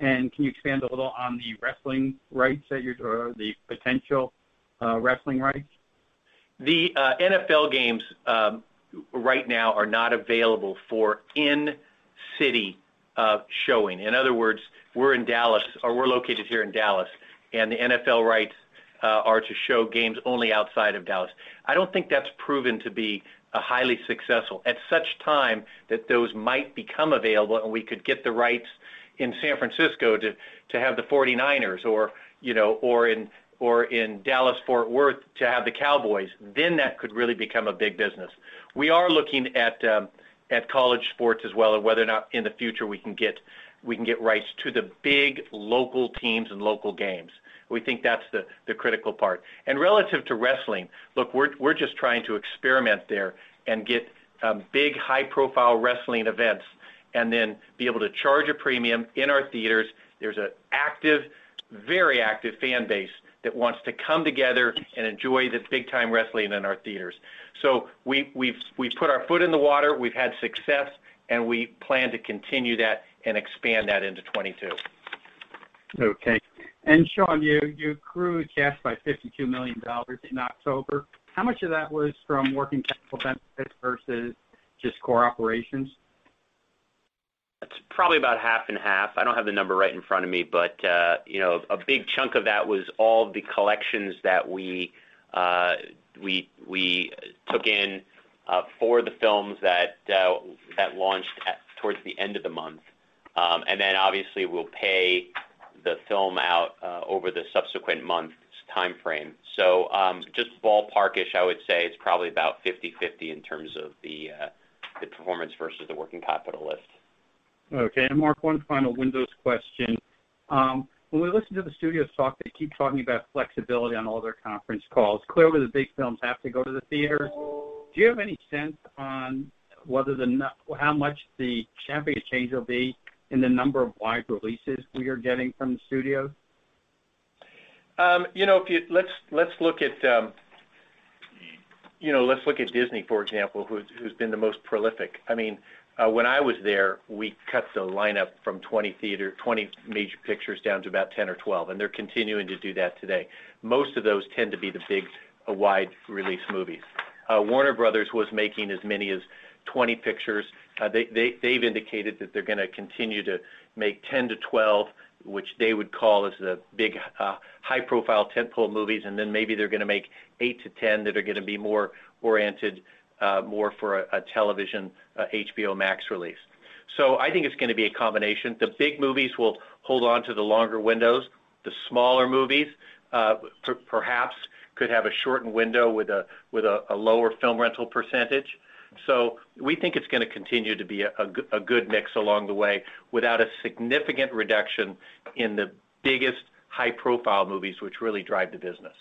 Can you expand a little on the wrestling rights or the potential wrestling rights? The NFL games right now are not available for in-city showing. In other words, we're in Dallas or we're located here in Dallas, and the NFL rights are to show games only outside of Dallas. I don't think that's proven to be highly successful. At such time that those might become available and we could get the rights in San Francisco to have the 49ers or you know or in Dallas-Fort Worth to have the Cowboys, then that could really become a big business. We are looking at college sports as well and whether or not in the future we can get rights to the big local teams and local games. We think that's the critical part. Relative to wrestling, look, we're just trying to experiment there and get big, high-profile wrestling events and then be able to charge a premium in our theaters. There's an active, very active fan base that wants to come together and enjoy the big time wrestling in our theaters. We've put our foot in the water, we've had success and we plan to continue that and expand that into 2022. Okay. Sean, you grew cash by $52 million in October. How much of that was from working capital benefits versus just core operations? It's probably about half and half. I don't have the number right in front of me but, you know, a big chunk of that was all the collections that we took in for the films that launched towards the end of the month. Obviously we'll pay the film out over the subsequent months timeframe. Just ballpark-ish, I would say it's probably about 50/50 in terms of the performance versus the working capital list. Okay. Mark, one final windows question. When we listen to the studios talk, they keep talking about flexibility on all their conference calls. Clearly, the big films have to go to the theaters. Do you have any sense on whether how much the landscape change will be in the number of wide releases we are getting from the studios? You know, let's look at Disney, for example, who's been the most prolific. I mean, when I was there, we cut the line-up from 20/30 major pictures down to about 10 or 12, and they're continuing to do that today. Most of those tend to be the big wide release movies. Warner Bros. was making as many as 20 pictures. They've indicated that they're gonna continue to make 10 to 12, which they would call as the big high profile tentpole movies. Maybe they're gonna make eight to 10 that are gonna be more oriented more for a television HBO Max release. I think it's gonna be a combination. The big movies will hold on to the longer windows. The smaller movies perhaps could have a shortened window with a lower film rental percentage. We think it's gonna continue to be a good mix along the way without a significant reduction in the biggest high-profile movies which really drive the business.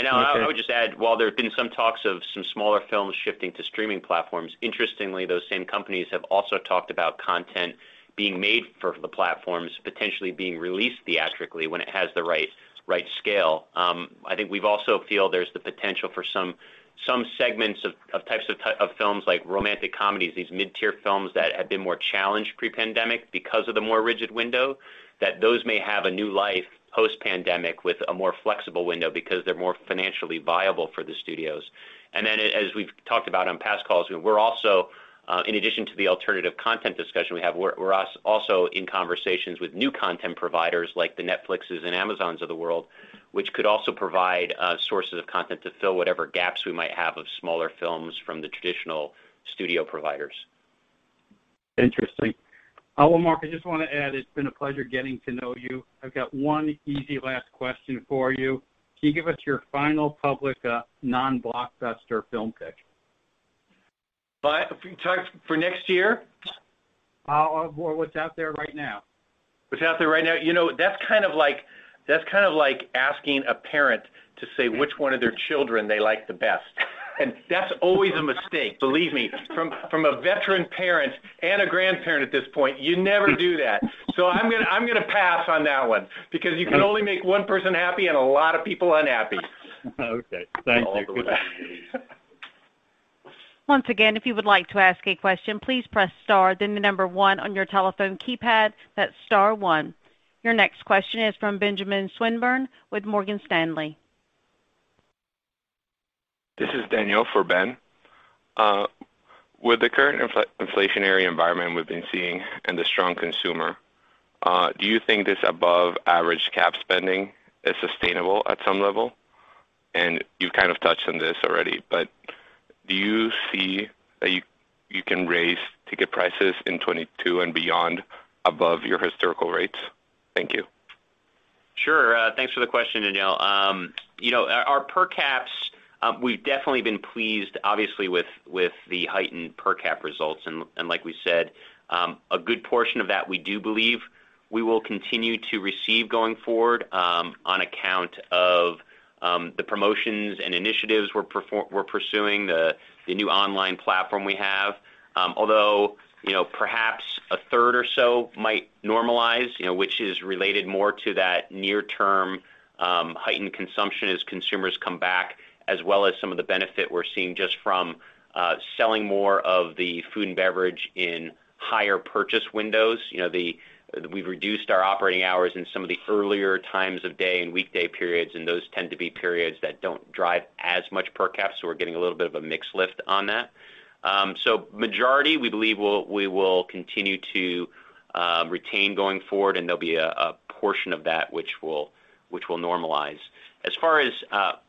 Okay. I would just add, while there have been some talks of some smaller films shifting to streaming platforms. Interestingly, those same companies have also talked about content being made for the platforms potentially being released theatrically when it has the right scale. I think we also feel there's the potential for some segments of types of films like romantic comedies, these mid-tier films that have been more challenged pre-pandemic because of the more rigid window, that those may have a new life post-pandemic with a more flexible window because they're more financially viable for the studios. As we've talked about on past calls, we're also in addition to the alternative content discussion we have, we're also in conversations with new content providers like the Netflix and Amazon of the world, which could also provide sources of content to fill whatever gaps we might have of smaller films from the traditional studio providers. Interesting. Well, Mark, I just want to add, it's been a pleasure getting to know you. I've got one easy last question for you. Can you give us your final public, non-blockbuster film pick? For next year? What's out there right now? What's out there right now? You know, that's kind of like asking a parent to say which one of their children they like the best. That's always a mistake. Believe me, from a veteran parent and a grandparent at this point, you never do that. I'm gonna pass on that one because you can only make one person happy and a lot of people unhappy. Okay. Thank you. Goodbye. Once again, if you would like to ask a question, please press star then the number one on your telephone keypad. That's star one. Your next question is from Benjamin Swinburne with Morgan Stanley. This is Daniel for Ben. With the current inflationary environment we've been seeing and the strong consumer, do you think this above average CapEx spending is sustainable at some level? You've kind of touched on this already, but do you see that you can raise ticket prices in 2022 and beyond above your historical rates? Thank you. Sure. Thanks for the question, Daniel. You know, our per caps, we've definitely been pleased obviously, with the heightened per cap results. Like we said, a good portion of that we do believe we will continue to receive going forward, on account of the promotions and initiatives we're pursuing, the new online platform we have. Although, you know, perhaps a 1/3 or so might normalize, you know, which is related more to that near term heightened consumption as consumers come back, as well as some of the benefit we're seeing just from selling more of the food and beverage in higher purchase windows. You know, we've reduced our operating hours in some of the earlier times of day and weekday periods and those tend to be periods that don't drive as much per cap. We're getting a little bit of a mix lift on that. The majority we believe we will continue to retain going forward and there'll be a portion of that which will normalize. As far as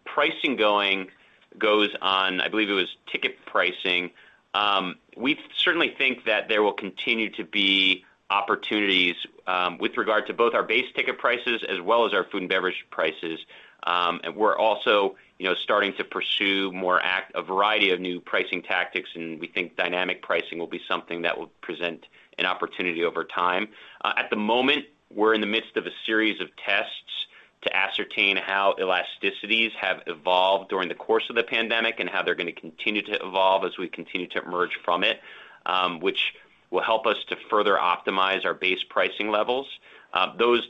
pricing goes, I believe it was ticket pricing, we certainly think that there will continue to be opportunities with regard to both our base ticket prices as well as our food and beverage prices. We're also starting to pursue a variety of new pricing tactics and we think dynamic pricing will be something that will present an opportunity over time. At the moment, we're in the midst of a series of tests to ascertain how elasticities have evolved during the course of the pandemic and how they're gonna continue to evolve as we continue to emerge from it, which will help us to further optimize our base pricing levels. Those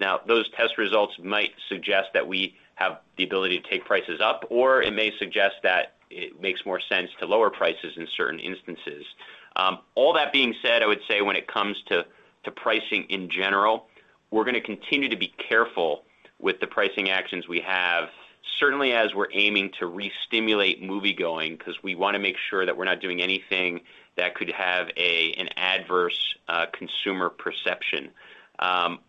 test results might suggest that we have the ability to take prices up, or it may suggest that it makes more sense to lower prices in certain instances. All that being said, I would say when it comes to pricing in general, we're gonna continue to be careful with the pricing actions we have, certainly as we're aiming to re-stimulate moviegoing because we wanna make sure that we're not doing anything that could have an adverse consumer perception.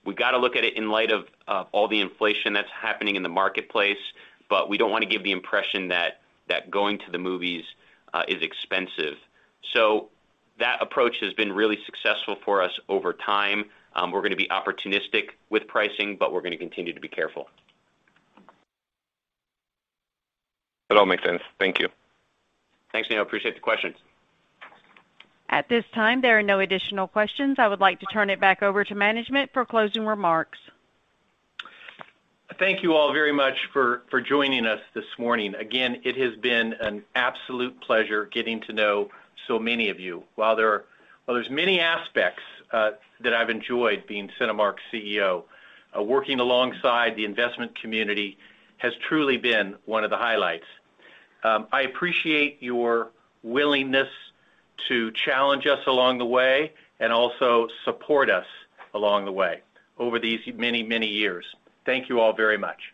We've gotta look at it in light of of all the inflation that's happening in the marketplace but we don't wanna give the impression that going to the movies is expensive. That approach has been really successful for us over time. We're gonna be opportunistic with pricing but we're gonna continue to be careful. That all makes sense. Thank you. Thanks, Daniel. Appreciate the question. At this time, there are no additional questions. I would like to turn it back over to management for closing remarks. Thank you all very much for joining us this morning. Again, it has been an absolute pleasure getting to know so many of you. While there's many aspects that I've enjoyed being Cinemark's CEO, working alongside the investment community has truly been one of the highlights. I appreciate your willingness to challenge us along the way and also support us along the way over these many, many years. Thank you all very much.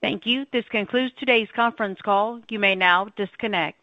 Thank you. This concludes today's conference call. You may now disconnect.